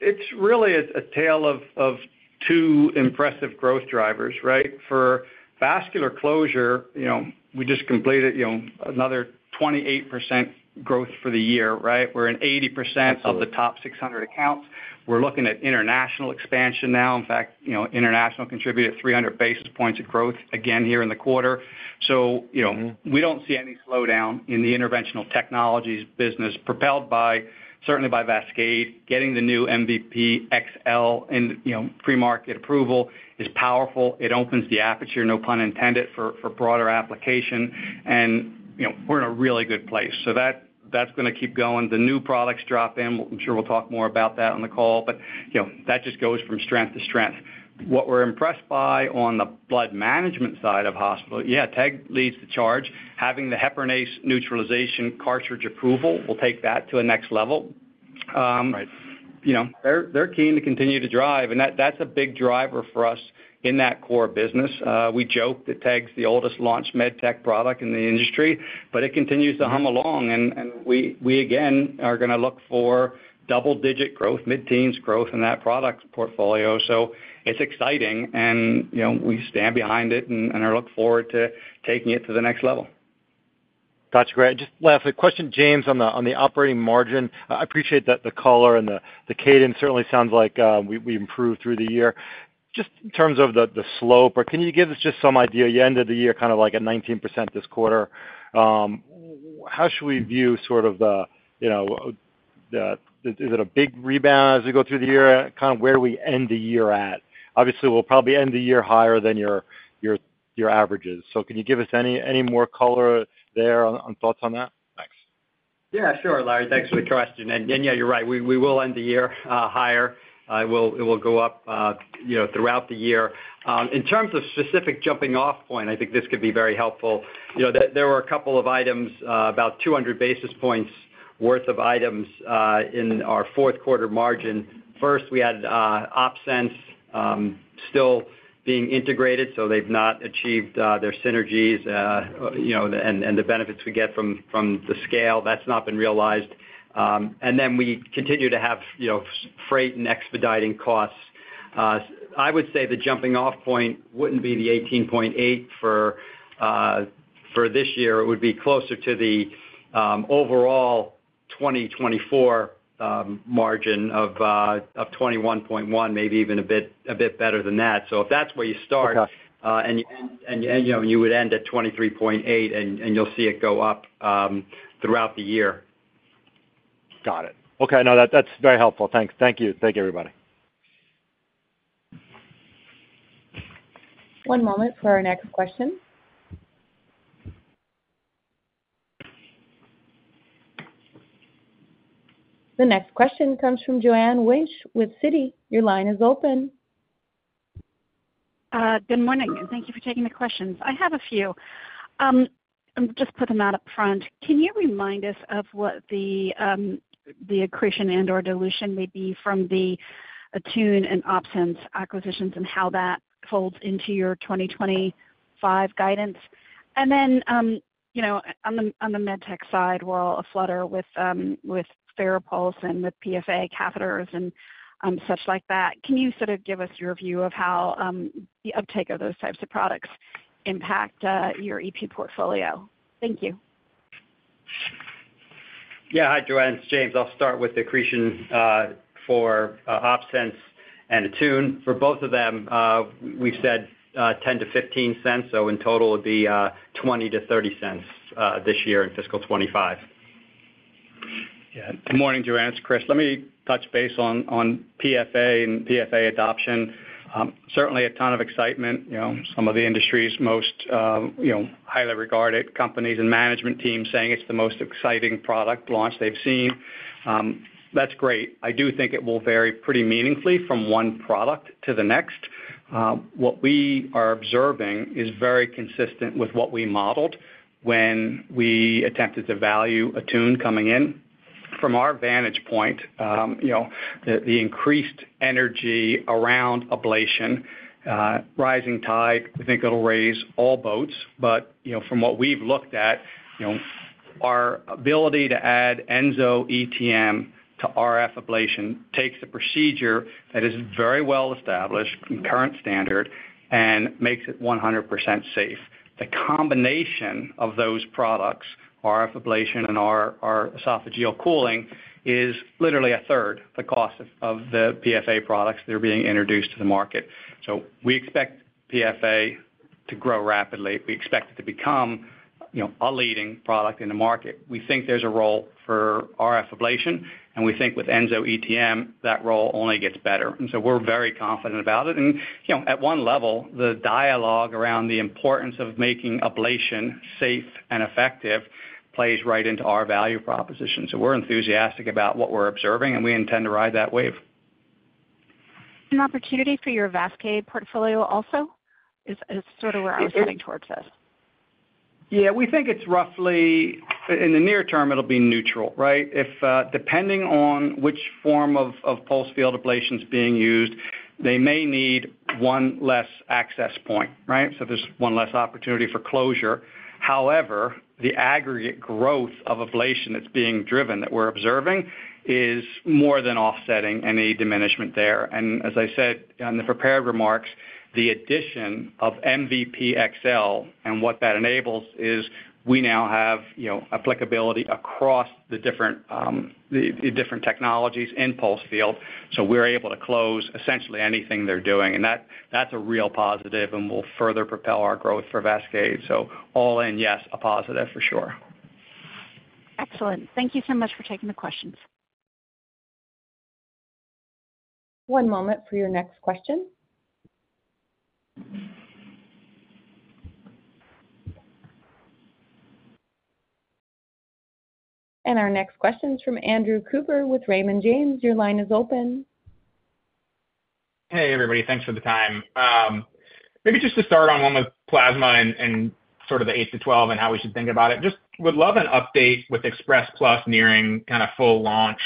it's really a tale of two impressive growth drivers, right? For vascular closure, we just completed another 28% growth for the year, right? We're in 80% of the top 600 accounts. We're looking at international expansion now. In fact, international contributed 300 basis points of growth again here in the quarter. So we don't see any slowdown in the interventional technologies business, propelled certainly by VASCADE. Getting the new MVP XL and pre-market approval is powerful. It opens the aperture, no pun intended, for broader application. And we're in a really good place. So that's going to keep going. The new products drop in. I'm sure we'll talk more about that on the call. But that just goes from strength to strength. What we're impressed by on the blood management side of hospital, yeah, TEG leads the charge. Having the heparinase neutralization cartridge approval, we'll take that to a next level. They're keen to continue to drive. And that's a big driver for us in that core business. We joke that TEG's the oldest launched medtech product in the industry, but it continues to hum along. And we, again, are going to look for double-digit growth, mid-teens growth in that product portfolio. So it's exciting, and we stand behind it and look forward to taking it to the next level. That's great. Just last question, James, on the operating margin. I appreciate the color and the cadence. Certainly, it sounds like we improved through the year. Just in terms of the slope, can you give us just some idea? You ended the year kind of like at 19% this quarter. How should we view sort of the, is it a big rebound as we go through the year? Kind of where do we end the year at? Obviously, we'll probably end the year higher than your averages. So can you give us any more color there on thoughts on that? Thanks. Yeah. Sure, Larry. Thanks for the question. And yeah, you're right. We will end the year higher. It will go up throughout the year. In terms of specific jumping-off point, I think this could be very helpful. There were a couple of items, about 200 basis points worth of items in our Q4 margin. First, we had OpSens still being integrated, so they've not achieved their synergies and the benefits we get from the scale. That's not been realized. And then we continue to have freight and expediting costs. I would say the jumping-off point wouldn't be the 18.8 for this year. It would be closer to the overall 2024 margin of 21.1, maybe even a bit better than that. So if that's where you start, and you would end at 23.8, and you'll see it go up throughout the year. Got it. Okay. No, that's very helpful. Thank you. Thank you, everybody. One moment for our next question. The next question comes from Joanne Wuensch with Citi. Your line is open. Good morning. And thank you for taking the questions. I have a few. I'll just put them out up front. Can you remind us of what the accretion and/or dilution may be from the Attune and OpSens acquisitions and how that folds into your 2025 guidance? And then on the medtech side, we're all a flutter with Farapulse and with PFA catheters and such like that. Can you sort of give us your view of how the uptake of those types of products impact your EP portfolio? Thank you. Yeah. Hi, Joanne. It's James. I'll start with accretion for OpSens and Attune. For both of them, we've said $0.10-$0.15. So in total, it'd be $0.20-$0.30 this year in fiscal 2025. Yeah. Good morning, Joanne. It's Chris. Let me touch base on PFA and PFA adoption. Certainly, a ton of excitement. Some of the industry's most highly regarded companies and management teams saying it's the most exciting product launch they've seen. That's great. I do think it will vary pretty meaningfully from one product to the next. What we are observing is very consistent with what we modeled when we attempted to value Attune coming in. From our vantage point, the increased energy around ablation, rising tide, we think it'll raise all boats. But from what we've looked at, our ability to add EnsoETM to RF ablation takes a procedure that is very well established, current standard, and makes it 100% safe. The combination of those products, RF ablation and our esophageal cooling, is literally a third the cost of the PFA products that are being introduced to the market. So we expect PFA to grow rapidly. We expect it to become a leading product in the market. We think there's a role for RF ablation, and we think with EnsoETM, that role only gets better. And so we're very confident about it. And at one level, the dialogue around the importance of making ablation safe and effective plays right into our value proposition. So we're enthusiastic about what we're observing, and we intend to ride that wave. An opportunity for your VASCADE portfolio also? It's sort of where I was heading towards this. Yeah. We think it's roughly in the near term, it'll be neutral, right? Depending on which form of pulsed field ablation's being used, they may need one less access point, right? So there's one less opportunity for closure. However, the aggregate growth of ablation that's being driven that we're observing is more than offsetting any diminishment there. And as I said in the prepared remarks, the addition of MVP XL and what that enables is we now have applicability across the different technologies in pulsed field. So we're able to close essentially anything they're doing. And that's a real positive and will further propel our growth for VASCADE. So all in, yes, a positive for sure. Excellent. Thank you so much for taking the questions. One moment for your next question. And our next question's from Andrew Cooper with Raymond James. Your line is open. Hey, everybody. Thanks for the time. Maybe just to start on one with plasma and sort of the 8-12 and how we should think about it, just would love an update with Express Plus nearing kind of full launch,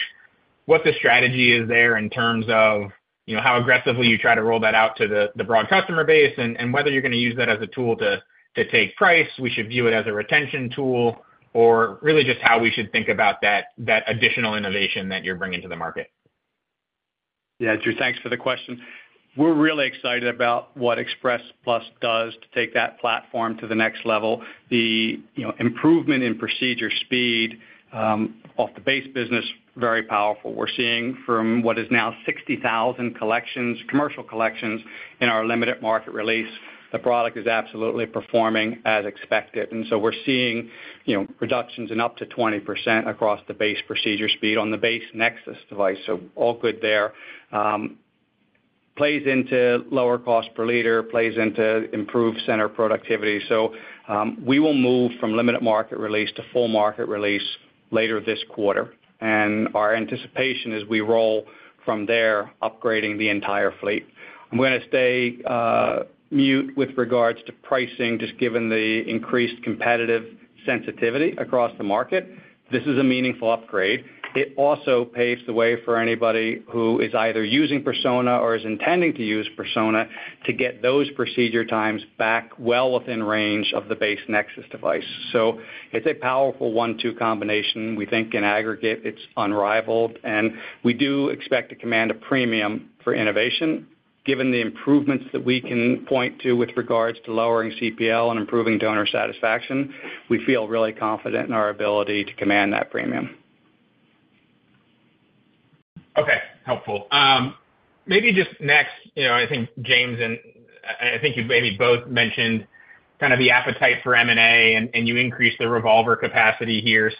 what the strategy is there in terms of how aggressively you try to roll that out to the broad customer base and whether you're going to use that as a tool to take price, we should view it as a retention tool, or really just how we should think about that additional innovation that you're bringing to the market. Yeah. Drew, thanks for the question. We're really excited about what Express Plus does to take that platform to the next level. The improvement in procedure speed off the base business, very powerful. We're seeing from what is now 60,000 commercial collections in our limited market release, the product is absolutely performing as expected. So we're seeing reductions in up to 20% across the base procedure speed on the base Nexus device. So all good there. Plays into lower cost per liter, plays into improved center productivity. So we will move from limited market release to full market release later this quarter. Our anticipation is we roll from there, upgrading the entire fleet. I'm going to stay mute with regards to pricing, just given the increased competitive sensitivity across the market. This is a meaningful upgrade. It also paves the way for anybody who is either using Persona or is intending to use Persona to get those procedure times back well within range of the base Nexus device. So it's a powerful one, two combination. We think in aggregate, it's unrivaled. We do expect to command a premium for innovation. Given the improvements that we can point to with regards to lowering CPL and improving donor satisfaction, we feel really confident in our ability to command that premium. Okay. Helpful. Maybe just next, I think James and I think you maybe both mentioned kind of the appetite for M&A, and you increased the revolver capacity here.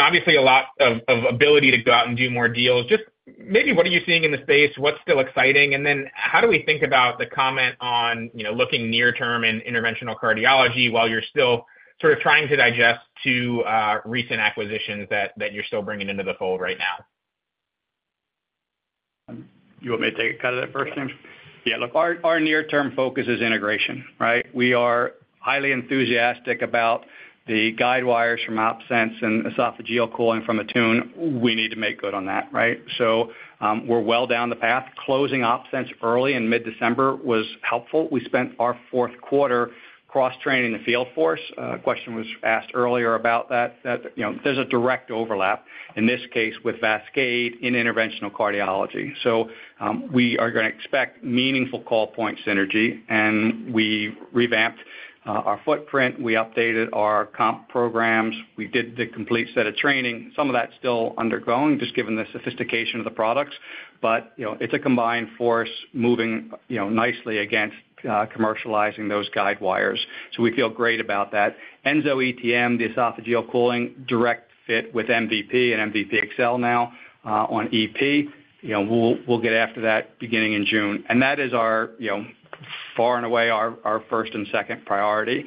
Obviously, a lot of ability to go out and do more deals. Just maybe what are you seeing in the space? What's still exciting? Then how do we think about the comment on looking near-term in interventional cardiology while you're still sort of trying to digest two recent acquisitions that you're still bringing into the fold right now? You want me to take a cut of that first, James? Yeah. Look, our near-term focus is integration, right? We are highly enthusiastic about the guidewires from OpSens and esophageal cooling from Attune. We need to make good on that, right? So we're well down the path. Closing OpSens early in mid-December was helpful. We spent our fourth quarter cross-training the field force. A question was asked earlier about that. There's a direct overlap, in this case, with VASCADE in interventional cardiology. So we are going to expect meaningful call point synergy. And we revamped our footprint. We updated our comp programs. We did the complete set of training. Some of that's still undergoing, just given the sophistication of the products. But it's a combined force moving nicely against commercializing those guidewires. So we feel great about that. EnsoETM, the esophageal cooling, direct fit with MVP and MVP XL now on EP. We'll get after that beginning in June. That is far and away our first and second priority.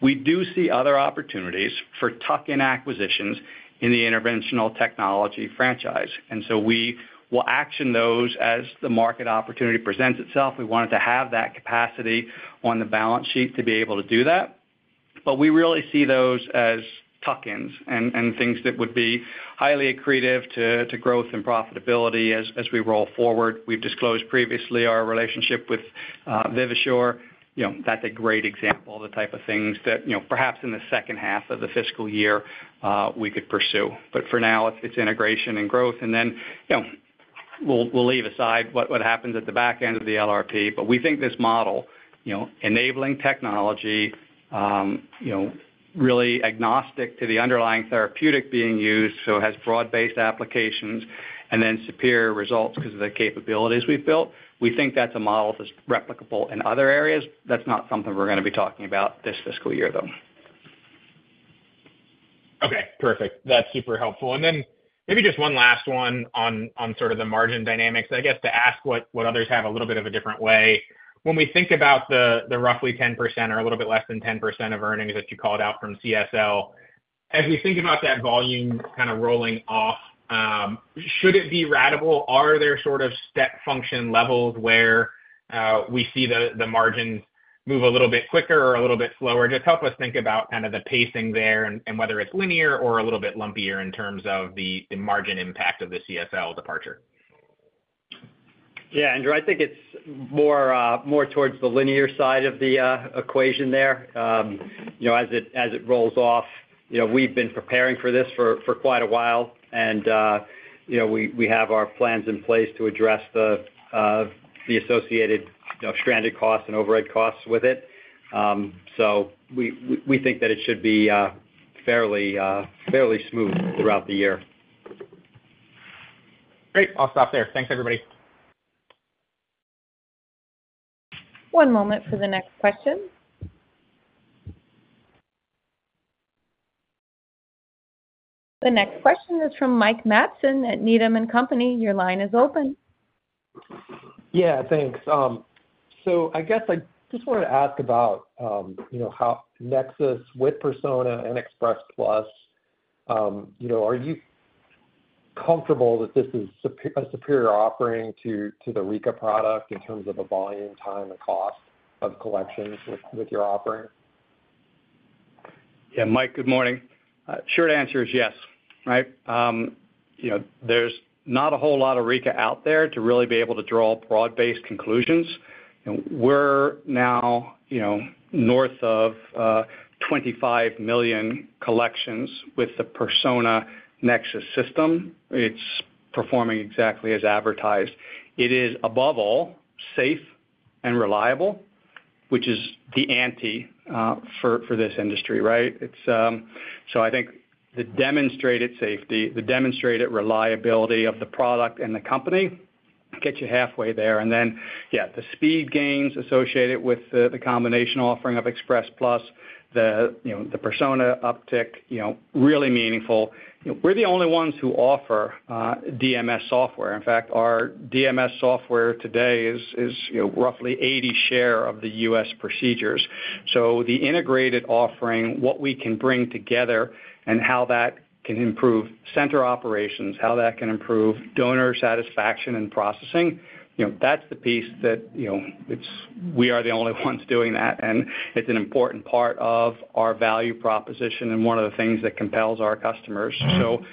We do see other opportunities for tuck-in acquisitions in the interventional technology franchise. So we will action those as the market opportunity presents itself. We wanted to have that capacity on the balance sheet to be able to do that. We really see those as tuck-ins and things that would be highly accretive to growth and profitability as we roll forward. We've disclosed previously our relationship with Vivasure. That's a great example, the type of things that perhaps in the second half of the fiscal year, we could pursue. But for now, it's integration and growth. Then we'll leave aside what happens at the back end of the LRP. But we think this model, enabling technology, really agnostic to the underlying therapeutic being used, so has broad-based applications and then superior results because of the capabilities we've built, we think that's a model that's replicable in other areas. That's not something we're going to be talking about this fiscal year, though. Okay. Perfect. That's super helpful. And then maybe just one last one on sort of the margin dynamics, I guess, to ask what others have a little bit of a different way. When we think about the roughly 10% or a little bit less than 10% of earnings that you called out from CSL, as we think about that volume kind of rolling off, should it be ratable? Are there sort of step function levels where we see the margins move a little bit quicker or a little bit slower? Just help us think about kind of the pacing there and whether it's linear or a little bit lumpier in terms of the margin impact of the CSL departure. Yeah. Andrew, I think it's more towards the linear side of the equation there. As it rolls off, we've been preparing for this for quite a while. And we have our plans in place to address the associated stranded costs and overhead costs with it. So we think that it should be fairly smooth throughout the year. Great. I'll stop there. Thanks, everybody. One moment for the next question. The next question is from Mike Matson at Needham & Company. Your line is open. Yeah. Thanks. So I guess I just wanted to ask about how Nexus with Persona and Express Plus, are you comfortable that this is a superior offering to the Rika product in terms of the volume, time, and cost of collections with your offering? Yeah. Mike, good morning. Short answer is yes, right? There's not a whole lot of Rika out there to really be able to draw broad-based conclusions. We're now north of 25 million collections with the Persona Nexus system. It's performing exactly as advertised. It is, above all, safe and reliable, which is the antithesis for this industry, right? So I think the demonstrated safety, the demonstrated reliability of the product and the company gets you halfway there. And then, yeah, the speed gains associated with the combination offering of Express Plus, the Persona uptick, really meaningful. We're the only ones who offer DMS software. In fact, our DMS software today is roughly 80 share of the US procedures. So the integrated offering, what we can bring together and how that can improve center operations, how that can improve donor satisfaction and processing, that's the piece that we are the only ones doing that. And it's an important part of our value proposition and one of the things that compels our customers. So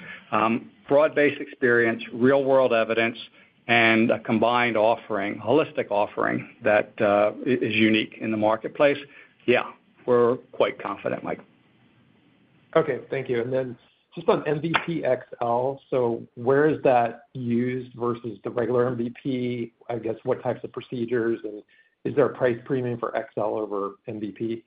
broad-based experience, real-world evidence, and a combined offering, holistic offering that is unique in the marketplace, yeah, we're quite confident, Mike. Okay. Thank you. And then just on MVP XL, so where is that used versus the regular MVP? I guess what types of procedures? And is there a price premium for XL over MVP?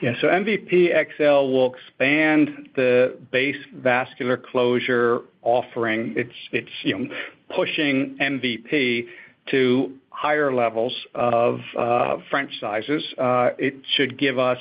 Yeah. So MVP XL will expand the base vascular closure offering. It's pushing MVP to higher levels of French sizes. It should give us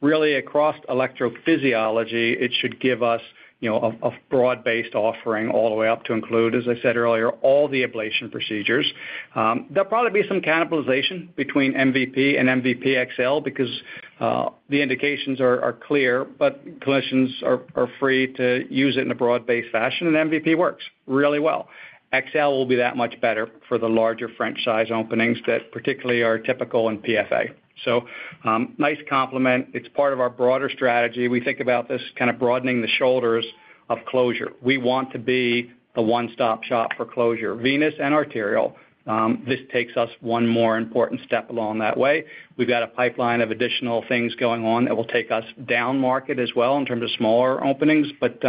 really across electrophysiology, it should give us a broad-based offering all the way up to include, as I said earlier, all the ablation procedures. There'll probably be some cannibalization between MVP and MVP XL because the indications are clear, but clinicians are free to use it in a broad-based fashion. And MVP works really well. XL will be that much better for the larger French size openings that particularly are typical in PFA. So nice complement. It's part of our broader strategy. We think about this kind of broadening the shoulders of closure. We want to be the one-stop shop for closure, venous and arterial. This takes us one more important step along that way. We've got a pipeline of additional things going on that will take us down market as well in terms of smaller openings, but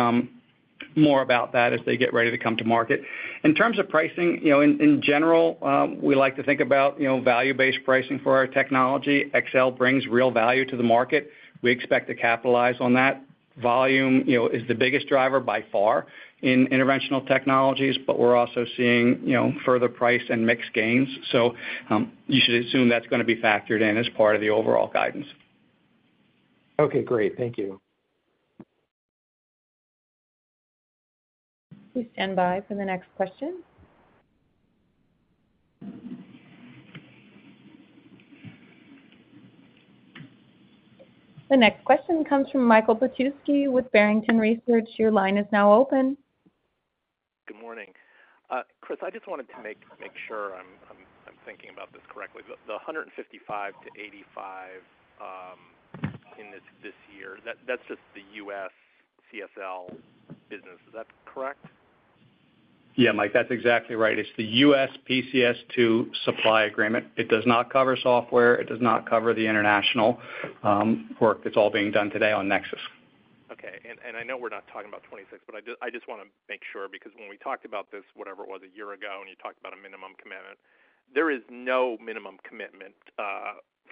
more about that as they get ready to come to market. In terms of pricing, in general, we like to think about value-based pricing for our technology. XL brings real value to the market. We expect to capitalize on that. Volume is the biggest driver by far in interventional technologies, but we're also seeing further price and mixed gains. So you should assume that's going to be factored in as part of the overall guidance. Okay. Great. Thank you. Please stand by for the next question. The next question comes from Michael Petusky with Barrington Research. Your line is now open. Good morning. Chris, I just wanted to make sure I'm thinking about this correctly. The $155-$85 in this year, that's just the US CSL business. Is that correct? Yeah, Mike, that's exactly right. It's the US PCS2 supply agreement. It does not cover software. It does not cover the international work that's all being done today on Nexus. Okay. And I know we're not talking about 2026, but I just want to make sure because when we talked about this, whatever it was a year ago, and you talked about a minimum commitment, there is no minimum commitment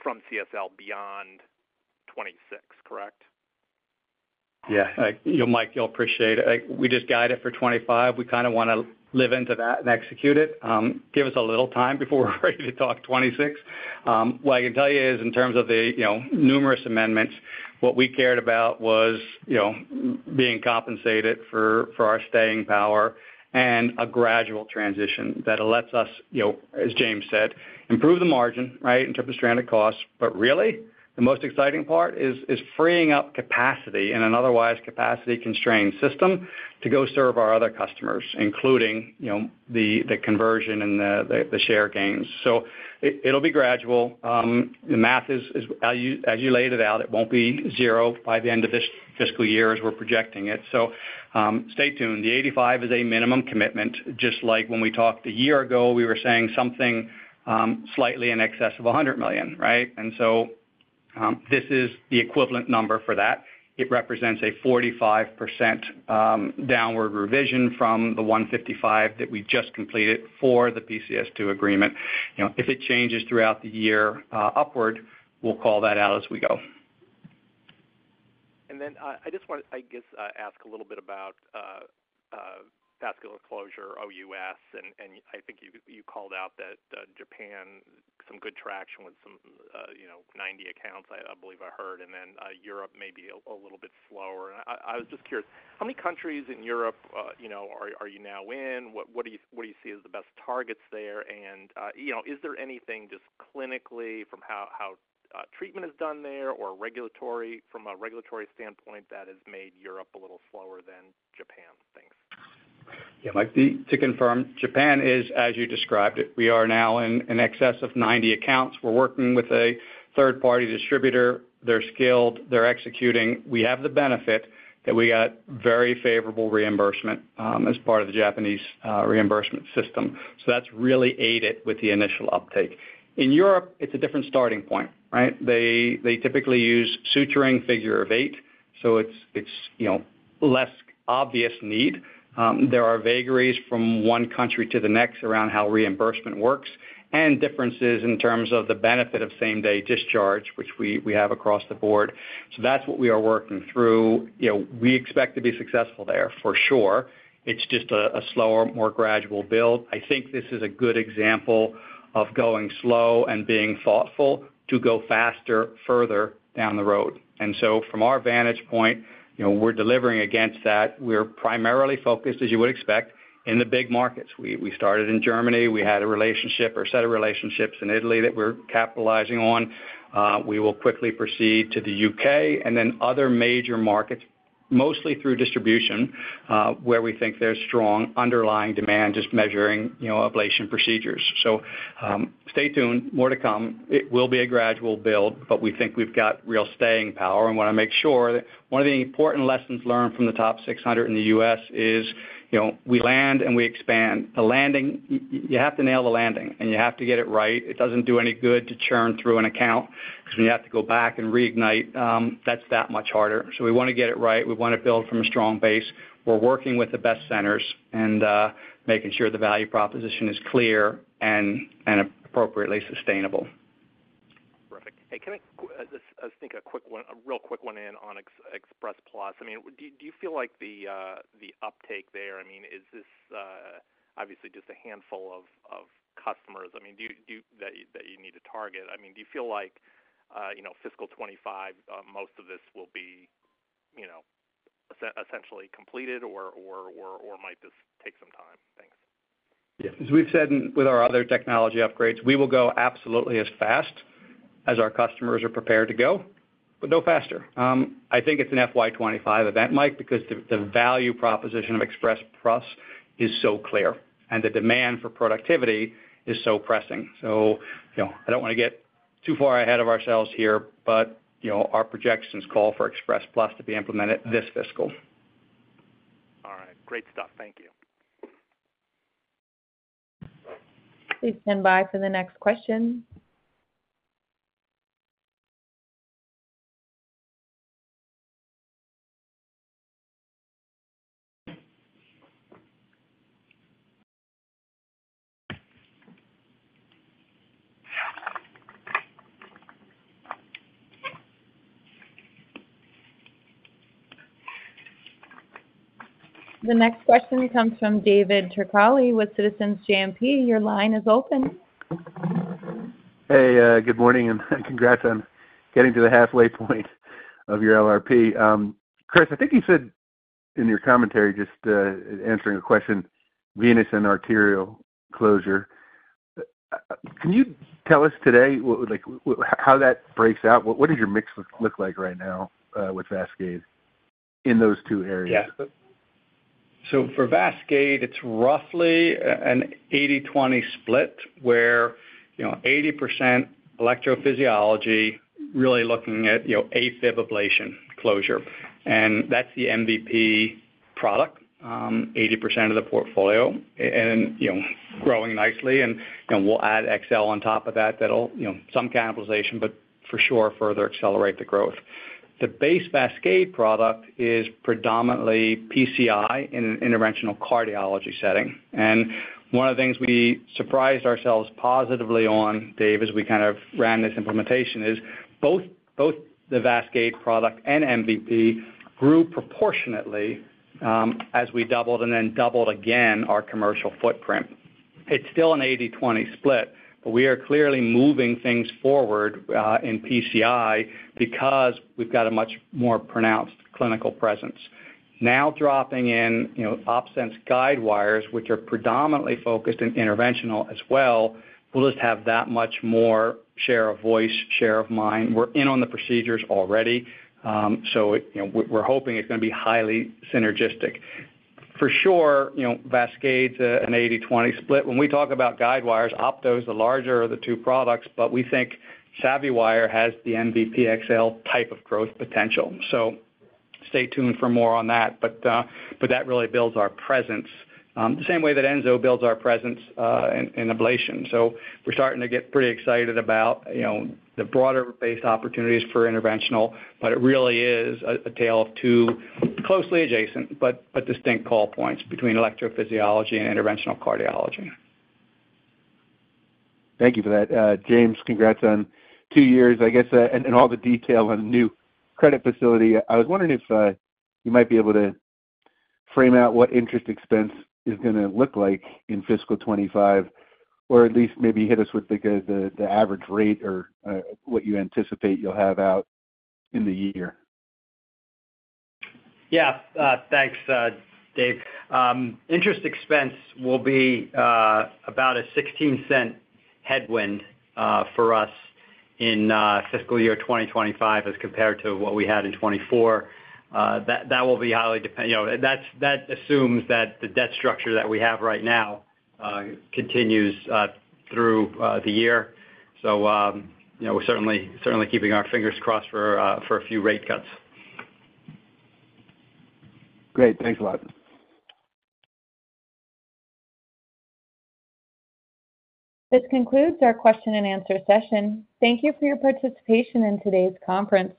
from CSL beyond 2026, correct? Yeah. Mike, you'll appreciate it. We just guide it for 2025. We kind of want to live into that and execute it. Give us a little time before we're ready to talk 2026. What I can tell you is, in terms of the numerous amendments, what we cared about was being compensated for our staying power and a gradual transition that lets us, as James said, improve the margin, right, in terms of stranded costs. But really, the most exciting part is freeing up capacity in an otherwise capacity-constrained system to go serve our other customers, including the conversion and the share gains. So it'll be gradual. The math is, as you laid it out, it won't be zero by the end of this fiscal year as we're projecting it. So stay tuned. The $85 million is a minimum commitment, just like when we talked a year ago, we were saying something slightly in excess of $100 million, right? And so this is the equivalent number for that. It represents a 45% downward revision from the 155 that we just completed for the PCS2 agreement. If it changes throughout the year upward, we'll call that out as we go. I just want to, I guess, ask a little bit about vascular closure, OUS. I think you called out that Japan, some good traction with some 90 accounts, I believe I heard, and then Europe may be a little bit slower. I was just curious, how many countries in Europe are you now in? What do you see as the best targets there? Is there anything just clinically from how treatment is done there or regulatory, from a regulatory standpoint, that has made Europe a little slower than Japan? Thanks. Yeah, Mike, to confirm, Japan is, as you described it, we are now in excess of 90 accounts. We're working with a third-party distributor. They're skilled. They're executing. We have the benefit that we got very favorable reimbursement as part of the Japanese reimbursement system. So that's really aided with the initial uptake. In Europe, it's a different starting point, right? They typically use suturing figure of eight. So it's less obvious need. There are vagaries from one country to the next around how reimbursement works and differences in terms of the benefit of same-day discharge, which we have across the board. So that's what we are working through. We expect to be successful there, for sure. It's just a slower, more gradual build. I think this is a good example of going slow and being thoughtful to go faster, further down the road. And so from our vantage point, we're delivering against that. We're primarily focused, as you would expect, in the big markets. We started in Germany. We had a relationship or set of relationships in Italy that we're capitalizing on. We will quickly proceed to the U.K. and then other major markets, mostly through distribution, where we think there's strong underlying demand just measuring ablation procedures. So stay tuned. More to come. It will be a gradual build, but we think we've got real staying power. And I want to make sure that one of the important lessons learned from the top 600 in the U.S. is we land and we expand. You have to nail the landing, and you have to get it right. It doesn't do any good to churn through an account because when you have to go back and reignite, that's that much harder. So we want to get it right. We want to build from a strong base. We're working with the best centers and making sure the value proposition is clear and appropriately sustainable. Perfect. Hey, can I throw a real quick one in on Express Plus? I mean, do you feel like the uptake there, I mean, is this obviously just a handful of customers, I mean, that you need to target? I mean, do you feel like fiscal 2025, most of this will be essentially completed, or might this take some time? Thanks. Yeah. As we've said with our other technology upgrades, we will go absolutely as fast as our customers are prepared to go, but no faster. I think it's an FY 2025 event, Mike, because the value proposition of Express Plus is so clear and the demand for productivity is so pressing. So I don't want to get too far ahead of ourselves here, but our projections call for Express Plus to be implemented this fiscal. All right. Great stuff. Thank you. Please stand by for the next question. The next question comes from David Turkaly with Citizens JMP. Your line is open. Hey, good morning. And congrats on getting to the halfway point of your LRP. Chris, I think you said in your commentary, just answering a question, venous and arterial closure, can you tell us today how that breaks out? What does your mix look like right now with VASCADE in those two areas? Yeah. So for VASCADE, it's roughly an 80/20 split where 80% electrophysiology, really looking at AFib ablation closure. And that's the MVP product, 80% of the portfolio, and growing nicely. And we'll add XL on top of that. That'll, some cannibalization, but for sure further accelerate the growth. The base VASCADE product is predominantly PCI in an interventional cardiology setting. One of the things we surprised ourselves positively on, Dave, as we kind of ran this implementation, is both the VASCADE product and MVP grew proportionately as we doubled and then doubled again our commercial footprint. It's still an 80/20 split, but we are clearly moving things forward in PCI because we've got a much more pronounced clinical presence. Now dropping in OpSens guidewires, which are predominantly focused in interventional as well, we'll just have that much more share of voice, share of mind. We're in on the procedures already. So we're hoping it's going to be highly synergistic. For sure, VASCADE's an 80/20 split. When we talk about guidewires, OptoWire, the larger of the two products, but we think SavvyWire has the MVP XL type of growth potential. So stay tuned for more on that. But that really builds our presence the same way that Enso builds our presence in ablation. So we're starting to get pretty excited about the broader-based opportunities for interventional, but it really is a tale of two closely adjacent but distinct call points between electrophysiology and interventional cardiology. Thank you for that. James, congrats on 2 years, I guess, and all the detail on the new credit facility. I was wondering if you might be able to frame out what interest expense is going to look like in fiscal 2025, or at least maybe hit us with the average rate or what you anticipate you'll have out in the year. Yeah. Thanks, Dave. Interest expense will be about a $0.16 headwind for us in fiscal year 2025 as compared to what we had in 2024. That assumes that the debt structure that we have right now continues through the year. So we're certainly keeping our fingers crossed for a few rate cuts. Great. Thanks a lot. This concludes our question-and-answer session. Thank you for your participation in today's conference.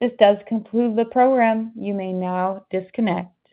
This does conclude the program. You may now disconnect.